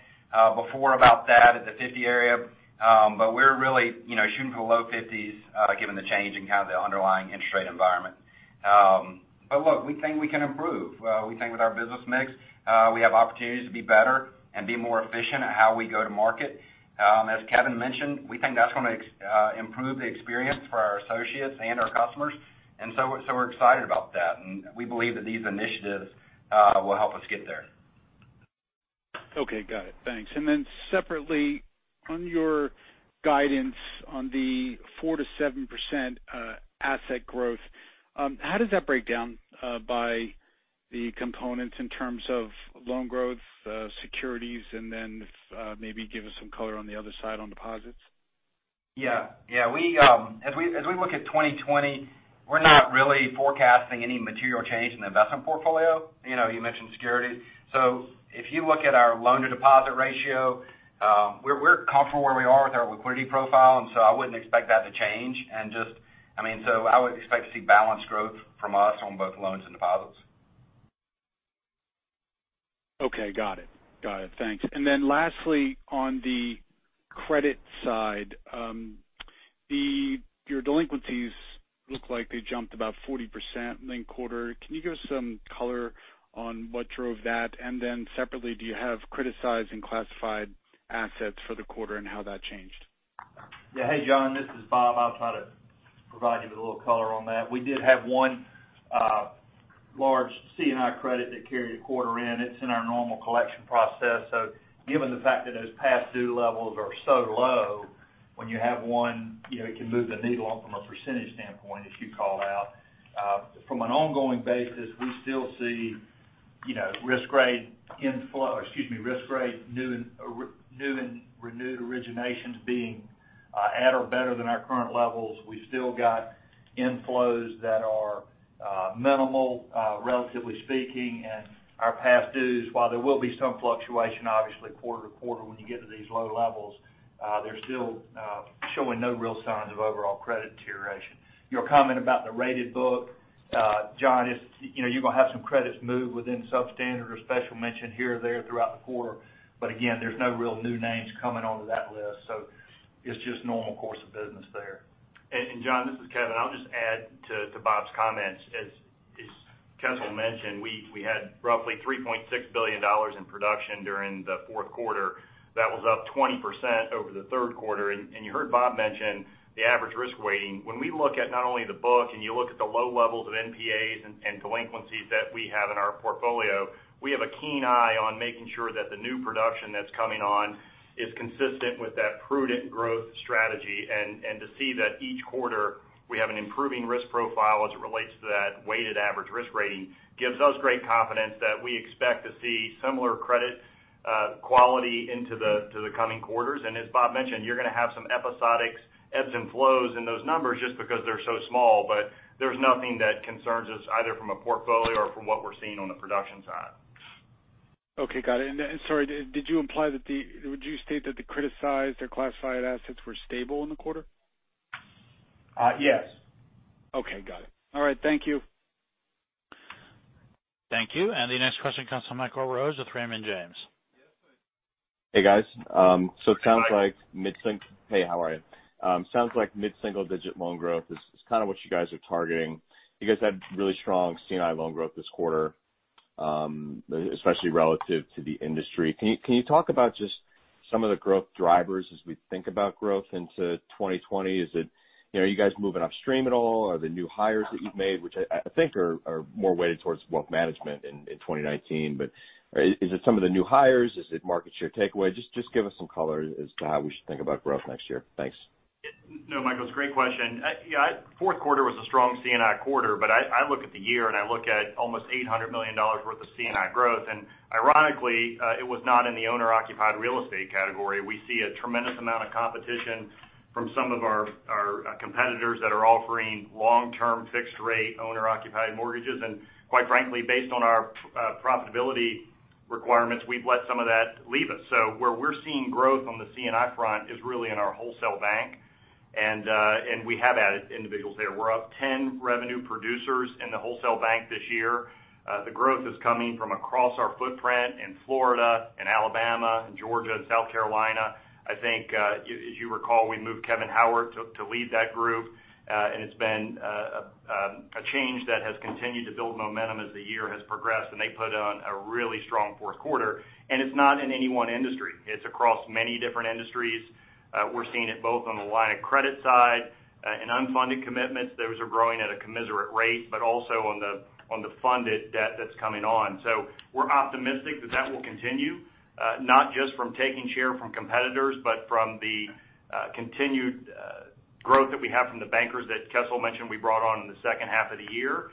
[SPEAKER 4] before about that at the 50 area, but we're really shooting for the low 50s given the change in kind of the underlying interest rate environment. Look, we think we can improve. We think with our business mix, we have opportunities to be better and be more efficient at how we go to market. As Kevin mentioned, we think that's going to improve the experience for our associates and our customers, and so we're excited about that, and we believe that these initiatives will help us get there.
[SPEAKER 12] Okay, got it. Thanks. Separately, on your guidance on the 4%-7% asset growth, how does that break down by the components in terms of loan growth, securities, and then if maybe give us some color on the other side on deposits?
[SPEAKER 4] Yeah. As we look at 2020, we're not really forecasting any material change in the investment portfolio. You mentioned securities. If you look at our loan-to-deposit ratio, we're comfortable where we are with our liquidity profile, and so I wouldn't expect that to change. I would expect to see balanced growth from us on both loans and deposits.
[SPEAKER 12] Okay, got it. Thanks. Lastly, on the credit side, your delinquencies look like they jumped about 40% link quarter. Can you give us some color on what drove that? Separately, do you have criticized and classified assets for the quarter and how that changed?
[SPEAKER 11] Yeah. Hey, John, this is Bob. I'll try to provide you with a little color on that. We did have one large C&I credit that carried a quarter in. It's in our normal collection process. Given the fact that those past due levels are so low, when you have one, it can move the needle on from a percentage standpoint as you called out. From an ongoing basis, we still see risk grade new and renewed originations being at or better than our current levels. We've still got inflows that are minimal, relatively speaking, and our past dues, while there will be some fluctuation obviously quarter to quarter when you get to these low levels, they're still showing no real signs of overall credit deterioration. Your comment about the rated book, John, you're going to have some credits move within substandard or special mention here or there throughout the quarter. Again, there's no real new names coming onto that list. It's just normal course of business there.
[SPEAKER 5] John, this is Kevin. I'll just add to Bob's comments. As Kessel mentioned, we had roughly $3.6 billion in production during the fourth quarter. That was up 20% over the third quarter. You heard Bob mention the average risk weighting. When we look at not only the book and you look at the low levels of NPAs and delinquencies that we have in our portfolio, we have a keen eye on making sure that the new production that's coming on is consistent with that prudent growth strategy. To see that each quarter we have an improving risk profile as it relates to that weighted average risk rating gives us great confidence that we expect to see similar credit quality into the coming quarters. As Bob mentioned, you're going to have some episodics, ebbs and flows in those numbers just because they're so small. There's nothing that concerns us either from a portfolio or from what we're seeing on the production side.
[SPEAKER 12] Okay. Got it. Sorry, would you state that the criticized or classified assets were stable in the quarter?
[SPEAKER 5] Yes.
[SPEAKER 12] Okay, got it. All right. Thank you.
[SPEAKER 1] Thank you. The next question comes from Michael Rose with Raymond James.
[SPEAKER 13] Hey, guys.
[SPEAKER 4] Hi.
[SPEAKER 13] Hey, how are you? Sounds like mid-single-digit loan growth is kind of what you guys are targeting. You guys had really strong C&I loan growth this quarter, especially relative to the industry. Can you talk about just some of the growth drivers as we think about growth into 2020? Are you guys moving upstream at all? Are the new hires that you've made, which I think are more weighted towards wealth management in 2019, but is it some of the new hires? Is it market share takeaway? Just give us some color as to how we should think about growth next year. Thanks.
[SPEAKER 5] No, Michael, it's a great question. Fourth quarter was a strong C&I quarter. I look at the year and I look at almost $800 million worth of C&I growth, and ironically, it was not in the owner-occupied real estate category. We see a tremendous amount of competition from some of our competitors that are offering long-term fixed rate owner-occupied mortgages, and quite frankly, based on our profitability requirements, we've let some of that leave us. Where we're seeing growth on the C&I front is really in our wholesale bank, and we have added individuals there. We're up 10 revenue producers in the wholesale bank this year. The growth is coming from across our footprint in Florida, in Alabama, in Georgia, and South Carolina. I think, as you recall, we moved Kevin Howard to lead that group. It's been a change that has continued to build momentum as the year has progressed, and they put on a really strong fourth quarter. It's not in any one industry. It's across many different industries. We're seeing it both on the line of credit side and unfunded commitments. Those are growing at a commiserate rate, but also on the funded debt that's coming on. We're optimistic that that will continue, not just from taking share from competitors, but from the continued growth that we have from the bankers that Kessel mentioned we brought on in the second half of the year.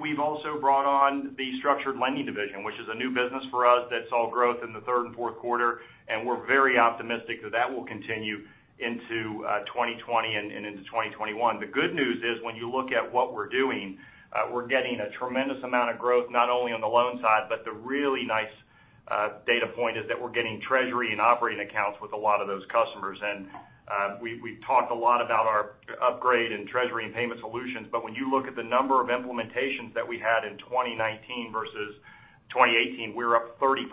[SPEAKER 5] We've also brought on the Structured Lending division, which is a new business for us that saw growth in the third and fourth quarter, and we're very optimistic that that will continue into 2020 and into 2021. The good news is when you look at what we're doing, we're getting a tremendous amount of growth, not only on the loan side, but the really nice data point is that we're getting treasury and operating accounts with a lot of those customers. We've talked a lot about our upgrade in Treasury & Payment Solutions, but when you look at the number of implementations that we had in 2019 versus 2018, we're up 30%.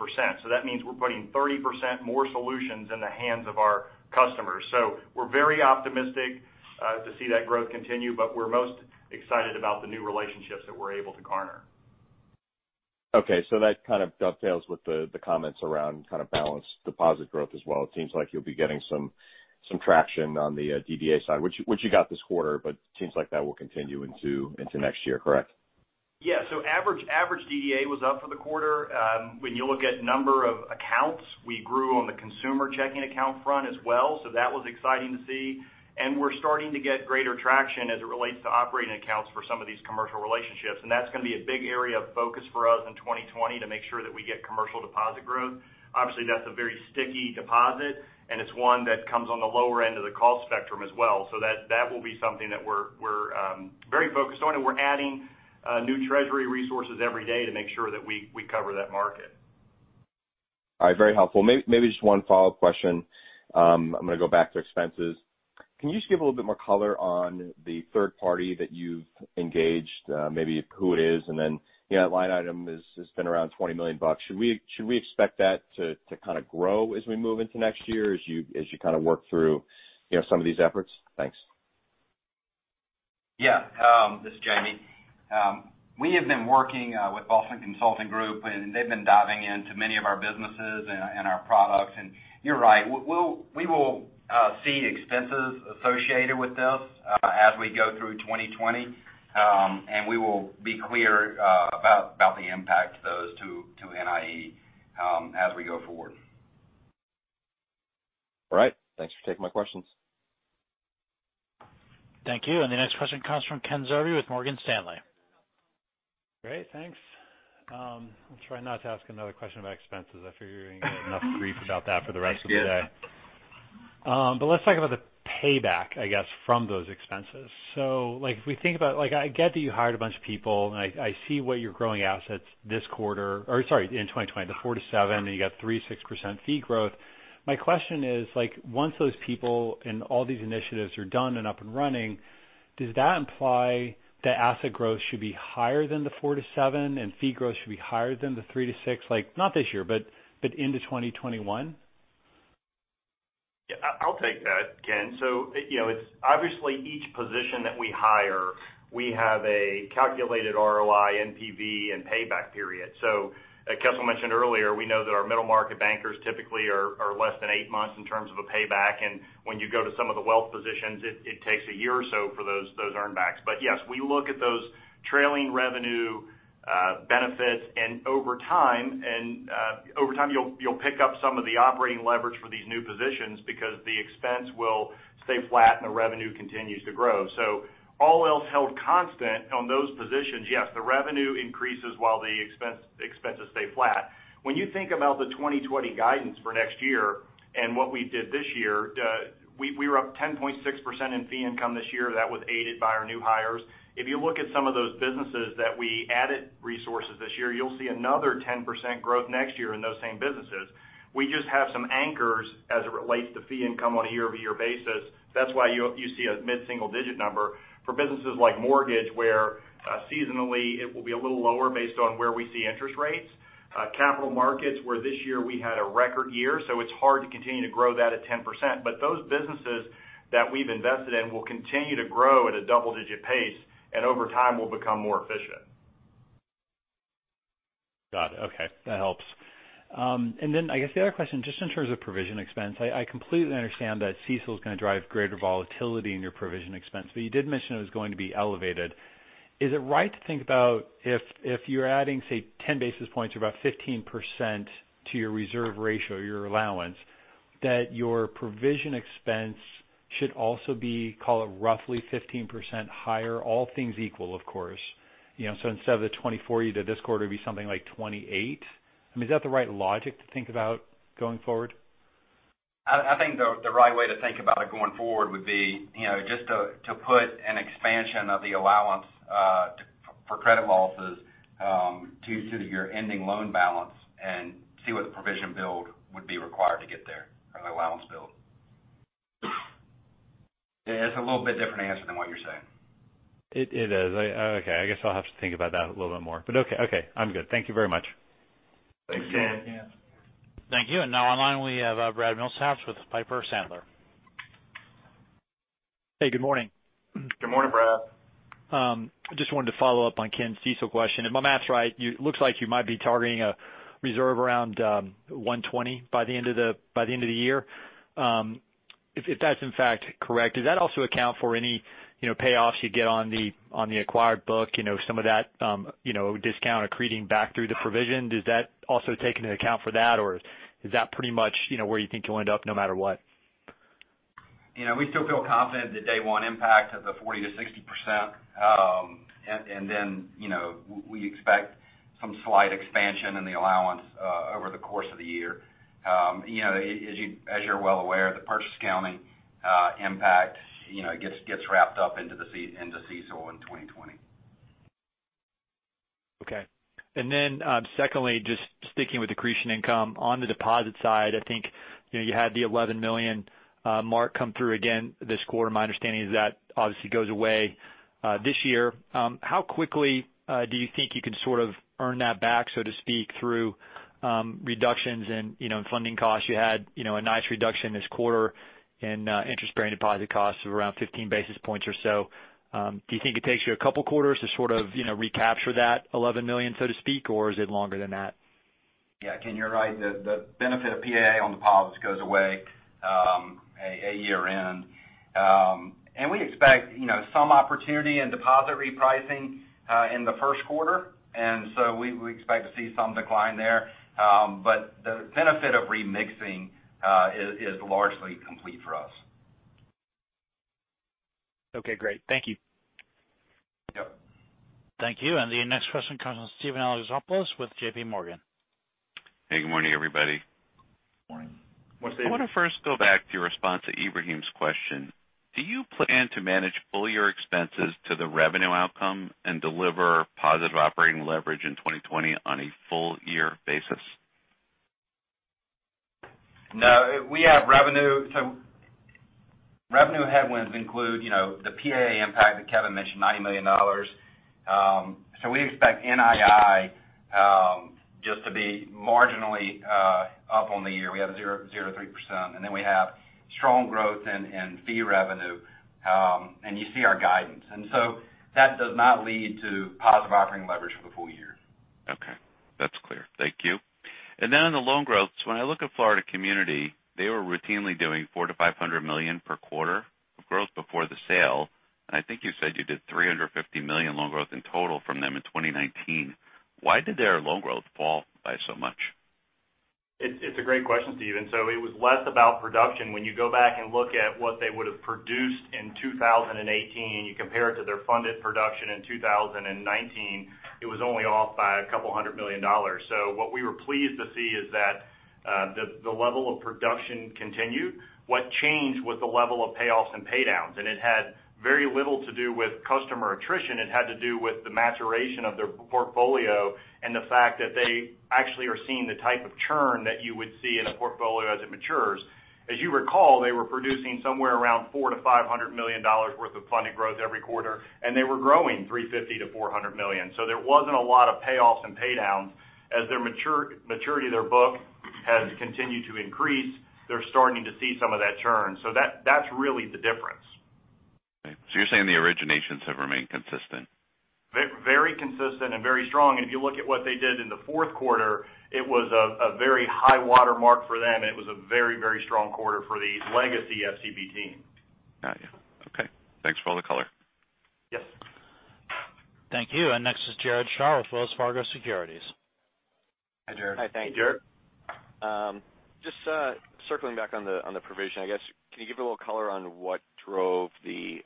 [SPEAKER 5] That means we're putting 30% more solutions in the hands of our customers. We're very optimistic to see that growth continue, but we're most excited about the new relationships that we're able to garner.
[SPEAKER 13] That kind of dovetails with the comments around kind of balance deposit growth as well. It seems like you'll be getting some traction on the DDA side, which you got this quarter, but it seems like that will continue into next year, correct?
[SPEAKER 5] Yeah. Average DDA was up for the quarter. When you look at number of accounts, we grew on the consumer checking account front as well, so that was exciting to see. We're starting to get greater traction as it relates to operating accounts for some of these commercial relationships, and that's going to be a big area of focus for us in 2020 to make sure that we get commercial deposit growth. Obviously, that's a very sticky deposit, and it's one that comes on the lower end of the cost spectrum as well. That will be something that we're very focused on, and we're adding new treasury resources every day to make sure that we cover that market.
[SPEAKER 13] All right. Very helpful. Maybe just one follow-up question. I'm going to go back to expenses. Can you just give a little bit more color on the third party that you've engaged, maybe who it is, and then that line item has been around $20 million. Should we expect that to kind of grow as we move into next year, as you kind of work through some of these efforts? Thanks.
[SPEAKER 4] Yeah. This is Jamie. We have been working with Boston Consulting Group, and they've been diving into many of our businesses and our products. You're right. We will see expenses associated with this as we go through 2020. We will be clear about the impact to those to NIE as we go forward.
[SPEAKER 13] All right. Thanks for taking my questions.
[SPEAKER 1] Thank you. The next question comes from Kenneth Zerbe with Morgan Stanley.
[SPEAKER 14] Great, thanks. I'll try not to ask another question about expenses. I figure you're going to get enough grief about that for the rest of the day. Let's talk about the payback, I guess, from those expenses. If we think about, I get that you hired a bunch of people, and I see where you're growing assets in 2020, the 4%-7%, and you got 3%-6% fee growth. My question is, once those people and all these initiatives are done and up and running, does that imply that asset growth should be higher than the 4%-7% and fee growth should be higher than the 3%-6%? Not this year, but into 2021?
[SPEAKER 5] Yeah, I'll take that, Ken. Obviously, each position that we hire, we have a calculated ROI, NPV, and payback period. As Kessel mentioned earlier, we know that our middle-market bankers typically are less than eight months in terms of a payback. When you go to some of the wealth positions, it takes one year or so for those earn backs. Yes, we look at those trailing revenue benefits, and over time you'll pick up some of the operating leverage for these new positions because the expense will stay flat and the revenue continues to grow. All else held constant on those positions, yes, the revenue increases while the expenses stay flat. When you think about the 2020 guidance for next year and what we did this year, we were up 10.6% in fee income this year. That was aided by our new hires. If you look at some of those businesses that we added resources this year, you'll see another 10% growth next year in those same businesses. We just have some anchors as it relates to fee income on a year-over-year basis. That's why you see a mid-single-digit number for businesses like mortgage, where seasonally it will be a little lower based on where we see interest rates. Capital markets, where this year we had a record year, so it's hard to continue to grow that at 10%. Those businesses that we've invested in will continue to grow at a double-digit pace and over time will become more efficient.
[SPEAKER 14] Got it. Okay. That helps. I guess the other question, just in terms of provision expense, I completely understand that CECL is going to drive greater volatility in your provision expense, but you did mention it was going to be elevated. Is it right to think about if you're adding, say, 10 basis points or about 15% to your reserve ratio, your allowance, that your provision expense should also be, call it, roughly 15% higher, all things equal, of course? Instead of the 24%, this quarter it'd be something like 28%? I mean, is that the right logic to think about going forward?
[SPEAKER 4] I think the right way to think about it going forward would be just to put an expansion of the allowance for credit losses to your ending loan balance and see what the provision build would be required to get there, or the allowance build. It's a little bit different answer than what you're saying.
[SPEAKER 14] It is. Okay. I guess I'll have to think about that a little bit more, but okay. I'm good. Thank you very much.
[SPEAKER 5] Thank you.
[SPEAKER 1] Thank you. Now online, we have Brad Milsaps with Piper Sandler.
[SPEAKER 15] Hey, good morning.
[SPEAKER 5] Good morning, Brad.
[SPEAKER 15] Just wanted to follow up on Ken CECL question. If my math's right, it looks like you might be targeting a reserve around, 120% by the end of the year. If that's in fact correct, does that also account for any payoffs you get on the acquired book, some of that discount accreting back through the provision? Does that also take into account for that, or is that pretty much where you think you'll end up no matter what?
[SPEAKER 4] We still feel confident the day one impact of the 40%-60%, and then we expect some slight expansion in the allowance over the course of the year. As you're well aware, the purchase accounting impact gets wrapped up into CECL in 2020.
[SPEAKER 15] Okay. Secondly, just sticking with accretion income on the deposit side, I think you had the $11 million mark come through again this quarter. My understanding is that obviously goes away this year. How quickly do you think you can sort of earn that back, so to speak, through reductions in funding costs? You had a nice reduction this quarter in interest-bearing deposit costs of around 15 basis points or so. Do you think it takes you a couple quarters to sort of recapture that $11 million, so to speak, or is it longer than that?
[SPEAKER 4] Yeah, Ken, you're right. The benefit of PAA on deposits goes away at year-end. We expect some opportunity in deposit repricing in the first quarter. We expect to see some decline there. The benefit of remixing is largely complete for us.
[SPEAKER 15] Okay, great. Thank you.
[SPEAKER 5] Yep.
[SPEAKER 1] Thank you. The next question comes from Steven Alexopoulos with JPMorgan.
[SPEAKER 16] Hey, good morning, everybody.
[SPEAKER 5] Morning. Morning, Stephen.
[SPEAKER 16] I want to first go back to your response to Ebrahim's question. Do you plan to manage full-year expenses to the revenue outcome and deliver positive operating leverage in 2020 on a full-year basis?
[SPEAKER 4] No. Revenue headwinds include the PAA impact that Kevin mentioned, $90 million. We expect NII, just to be marginally up on the year. We have 0.03%. We have strong growth in fee revenue. You see our guidance. That does not lead to positive operating leverage for the full year.
[SPEAKER 16] Okay. That's clear. Thank you. On the loan growth, when I look at Florida Community, they were routinely doing $400 million-$500 million per quarter of growth before the sale. I think you said you did $350 million loan growth in total from them in 2019. Why did their loan growth fall by so much?
[SPEAKER 5] It's a great question, Steven. It was less about production. When you go back and look at what they would've produced in 2018, and you compare it to their funded production in 2019, it was only off by a couple hundred million dollars. What we were pleased to see is that the level of production continued. What changed was the level of payoffs and pay downs, and it had very little to do with customer attrition. It had to do with the maturation of their portfolio and the fact that they actually are seeing the type of churn that you would see in a portfolio as it matures. As you recall, they were producing somewhere around $400 million-$500 million worth of funded growth every quarter, and they were growing $350 million-$400 million. There wasn't a lot of payoffs and pay downs. As the maturity of their book has continued to increase, they're starting to see some of that churn. That's really the difference.
[SPEAKER 16] Okay. You're saying the originations have remained consistent?
[SPEAKER 5] Very consistent and very strong. If you look at what they did in the fourth quarter, it was a very high watermark for them, and it was a very, very strong quarter for the legacy FCB team.
[SPEAKER 16] Got you. Okay. Thanks for all the color.
[SPEAKER 5] Yes.
[SPEAKER 1] Thank you. Next is Jared Shaw with Wells Fargo Securities.
[SPEAKER 5] Hi, Jared. Hi. Thank you.
[SPEAKER 3] Hey, Jared.
[SPEAKER 17] Just circling back on the provision, I guess, can you give a little color on what drove the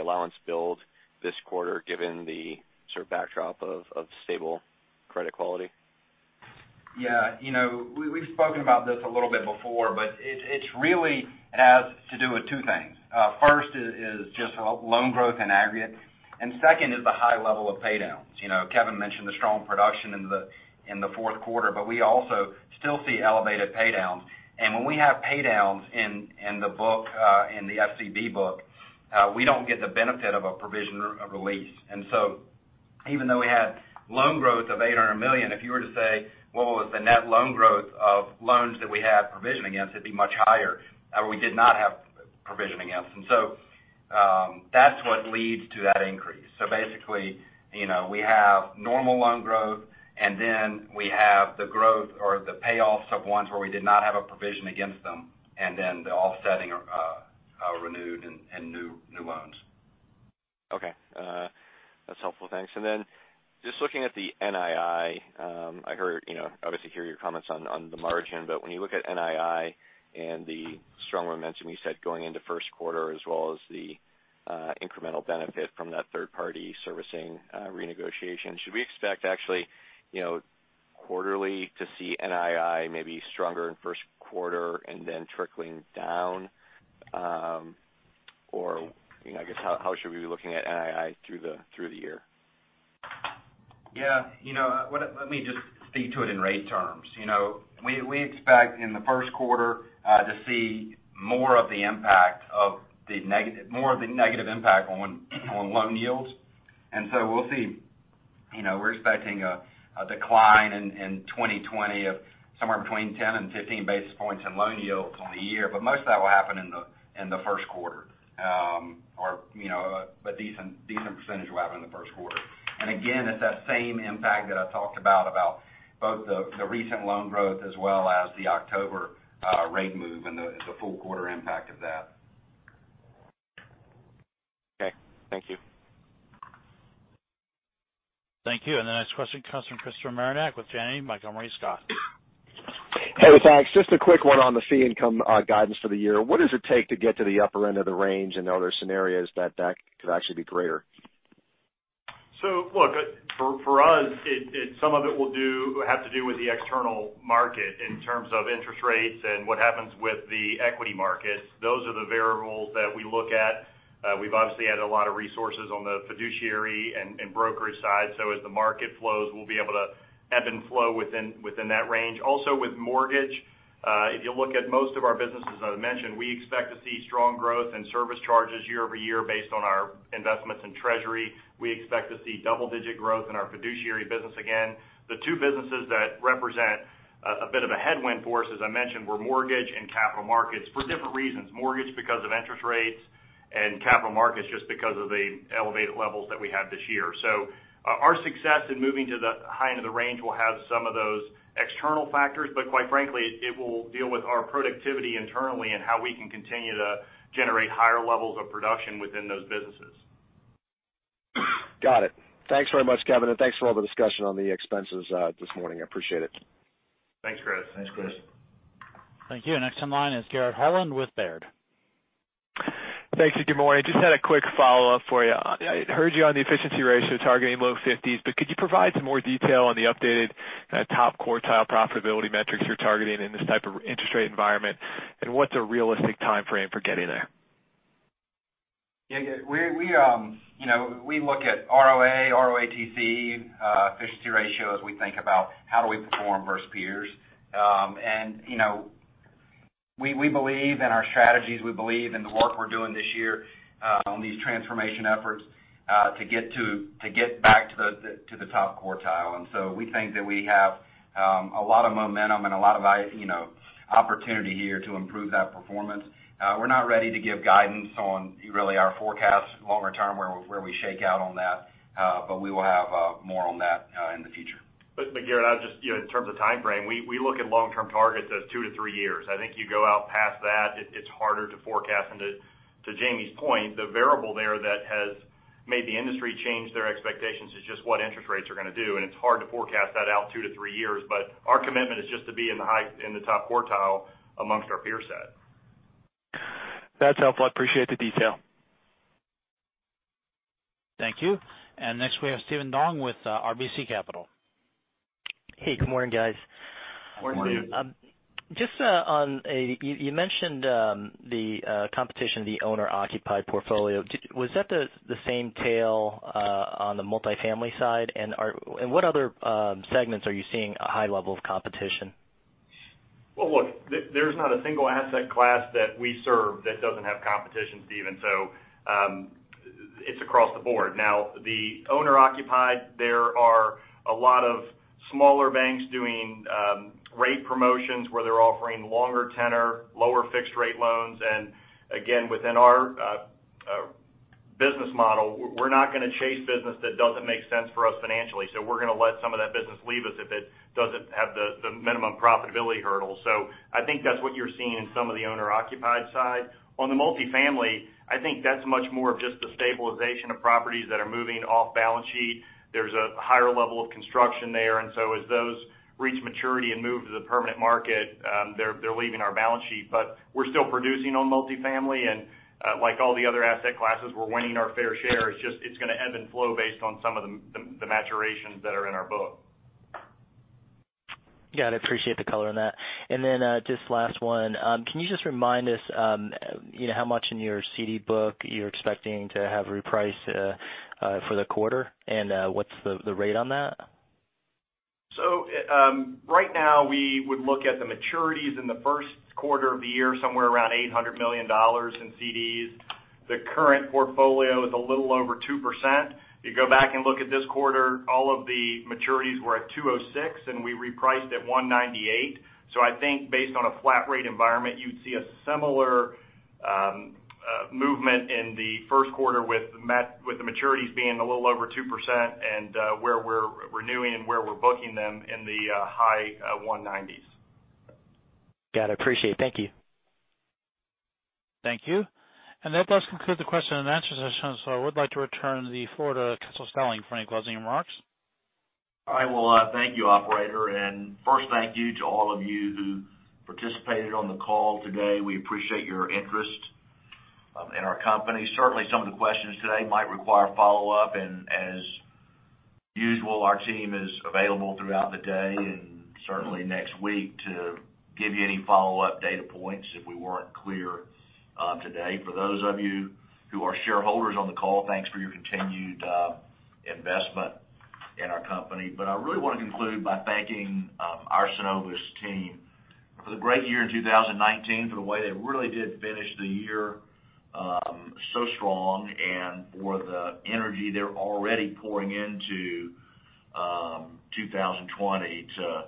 [SPEAKER 17] allowance build this quarter, given the sort of backdrop of stable credit quality?
[SPEAKER 4] Yeah. We've spoken about this a little bit before, but it really has to do with two things. 1st is just loan growth in aggregate, and second is the high level of pay downs. Kevin mentioned the strong production in the fourth quarter, but we also still see elevated pay downs. When we have pay downs in the FCB book, we don't get the benefit of a provision release. Even though we had loan growth of $800 million, if you were to say, well, what was the net loan growth of loans that we had provision against, it'd be much higher, or we did not have provision against. That's what leads to that increase. Basically, we have normal loan growth, and then we have the growth or the payoffs of ones where we did not have a provision against them, and then the offsetting. Are renewed in new loans.
[SPEAKER 17] Okay. That's helpful. Thanks. Then just looking at the NII, I obviously hear your comments on the margin, but when you look at NII and the strong momentum you said going into first quarter as well as the incremental benefit from that third-party servicing renegotiation, should we expect actually quarterly to see NII maybe stronger in first quarter and then trickling down? I guess, how should we be looking at NII through the year?
[SPEAKER 4] Yeah. Let me just speak to it in rate terms. We expect in the first quarter to see more of the negative impact on loan yields. We'll see. We're expecting a decline in 2020 of somewhere between 10 and 15 basis points in loan yields on the year, but most of that will happen in the first quarter. A decent percentage will happen in the first quarter. Again, it's that same impact that I talked about both the recent loan growth as well as the October rate move and the full quarter impact of that.
[SPEAKER 17] Okay. Thank you.
[SPEAKER 1] Thank you. The next question comes from Christopher Marinac with Janney Montgomery Scott.
[SPEAKER 18] Hey. Thanks. Just a quick one on the fee income guidance for the year. What does it take to get to the upper end of the range, and are there scenarios that could actually be greater?
[SPEAKER 5] Look, for us, some of it will have to do with the external market in terms of interest rates and what happens with the equity markets. Those are the variables that we look at. We've obviously added a lot of resources on the fiduciary and brokerage side, so as the market flows, we'll be able to ebb and flow within that range. Also with mortgage, if you look at most of our businesses, as I mentioned, we expect to see strong growth in service charges year-over-year based on our investments in Treasury. We expect to see double-digit growth in our fiduciary business again. The two businesses that represent a bit of a headwind for us, as I mentioned, were mortgage and capital markets for different reasons. Mortgage because of interest rates, capital markets just because of the elevated levels that we had this year. Our success in moving to the high end of the range will have some of those external factors, but quite frankly, it will deal with our productivity internally and how we can continue to generate higher levels of production within those businesses.
[SPEAKER 18] Got it. Thanks very much, Kevin, thanks for all the discussion on the expenses this morning. I appreciate it.
[SPEAKER 5] Thanks, Chris.
[SPEAKER 3] Thanks, Chris.
[SPEAKER 1] Thank you. Next in line is Garrett Holland with Baird.
[SPEAKER 19] Thanks. Good morning. Just had a quick follow-up for you. I heard you on the efficiency ratio targeting low 50s. Could you provide some more detail on the updated top quartile profitability metrics you're targeting in this type of interest rate environment, and what's a realistic timeframe for getting there?
[SPEAKER 4] Yeah. We look at ROA, ROATC, efficiency ratio as we think about how do we perform versus peers. We believe in our strategies. We believe in the work we're doing this year on these transformation efforts to get back to the top quartile. We think that we have a lot of momentum and a lot of opportunity here to improve that performance. We're not ready to give guidance on really our forecast longer term where we shake out on that. We will have more on that in the future.
[SPEAKER 5] Garrett, in terms of timeframe, we look at long-term targets as two to three years. I think you go out past that, it's harder to forecast. To Jamie's point, the variable there that has made the industry change their expectations is just what interest rates are going to do, and it's hard to forecast that out two to three years. Our commitment is just to be in the top quartile amongst our peer set.
[SPEAKER 19] That's helpful. I appreciate the detail.
[SPEAKER 1] Thank you. Next we have Stephen Dong with RBC Capital.
[SPEAKER 20] Hey, good morning, guys.
[SPEAKER 3] Morning.
[SPEAKER 5] Morning.
[SPEAKER 21] Just on, you mentioned the competition of the owner-occupied portfolio. Was that the same tale on the multifamily side? What other segments are you seeing a high level of competition?
[SPEAKER 5] Well, look, there's not a single asset class that we serve that doesn't have competition, Steven. It's across the board. Now, the owner-occupied, there are a lot of smaller banks doing rate promotions where they're offering longer tenor, lower fixed rate loans. Again, within our business model, we're not going to chase business that doesn't make sense for us financially. We're going to let some of that business leave us if it doesn't have the minimum profitability hurdle. I think that's what you're seeing in some of the owner-occupied side. On the multifamily, I think that's much more of just the stabilization of properties that are moving off balance sheet. There's a higher level of construction there, as those reach maturity and move to the permanent market, they're leaving our balance sheet. We're still producing on multifamily, and like all the other asset classes, we're winning our fair share. It's just going to ebb and flow based on some of the maturations that are in our book.
[SPEAKER 21] Got it. Appreciate the color on that. Just last one. Can you just remind us how much in your CD book you're expecting to have repriced for the quarter, and what's the rate on that?
[SPEAKER 4] Right now, we would look at the maturities in the first quarter of the year, somewhere around $800 million in CDs. The current portfolio is a little over 2%. You go back and look at this quarter, all of the maturities were at 2.06%, and we repriced at 1.98%. I think based on a flat rate environment, you'd see a similar movement in the first quarter with the maturities being a little over 2% and where we're renewing and where we're booking them in the high 1.90s%.
[SPEAKER 20] Got it. Appreciate it. Thank you.
[SPEAKER 1] Thank you. That does conclude the question and answer session. I would like to return the floor to Kessel Stelling for a closing remarks.
[SPEAKER 3] All right. Well, thank you, operator. First thank you to all of you who participated on the call today. We appreciate your interest in our company. Certainly, some of the questions today might require follow-up, and as usual, our team is available throughout the day and certainly next week to give you any follow-up data points if we weren't clear today. For those of you who are shareholders on the call, thanks for your continued investment in our company. I really want to conclude by thanking our Synovus team for the great year in 2019, for the way they really did finish the year so strong, and for the energy they're already pouring into 2020 to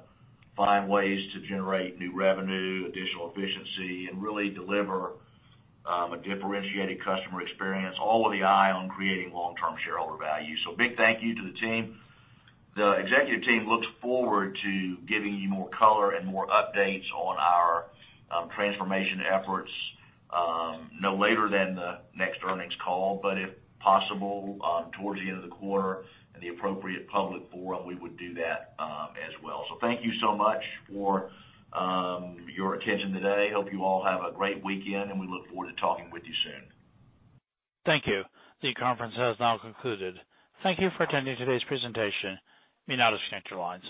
[SPEAKER 3] find ways to generate new revenue, additional efficiency, and really deliver a differentiated customer experience, all with the eye on creating long-term shareholder value. Big thank you to the team. The executive team looks forward to giving you more color and more updates on our transformation efforts no later than the next earnings call. If possible, towards the end of the quarter at the appropriate public forum, we would do that as well. Thank you so much for your attention today. Hope you all have a great weekend, and we look forward to talking with you soon.
[SPEAKER 1] Thank you. The conference has now concluded. Thank you for attending today's presentation. You may now disconnect your lines.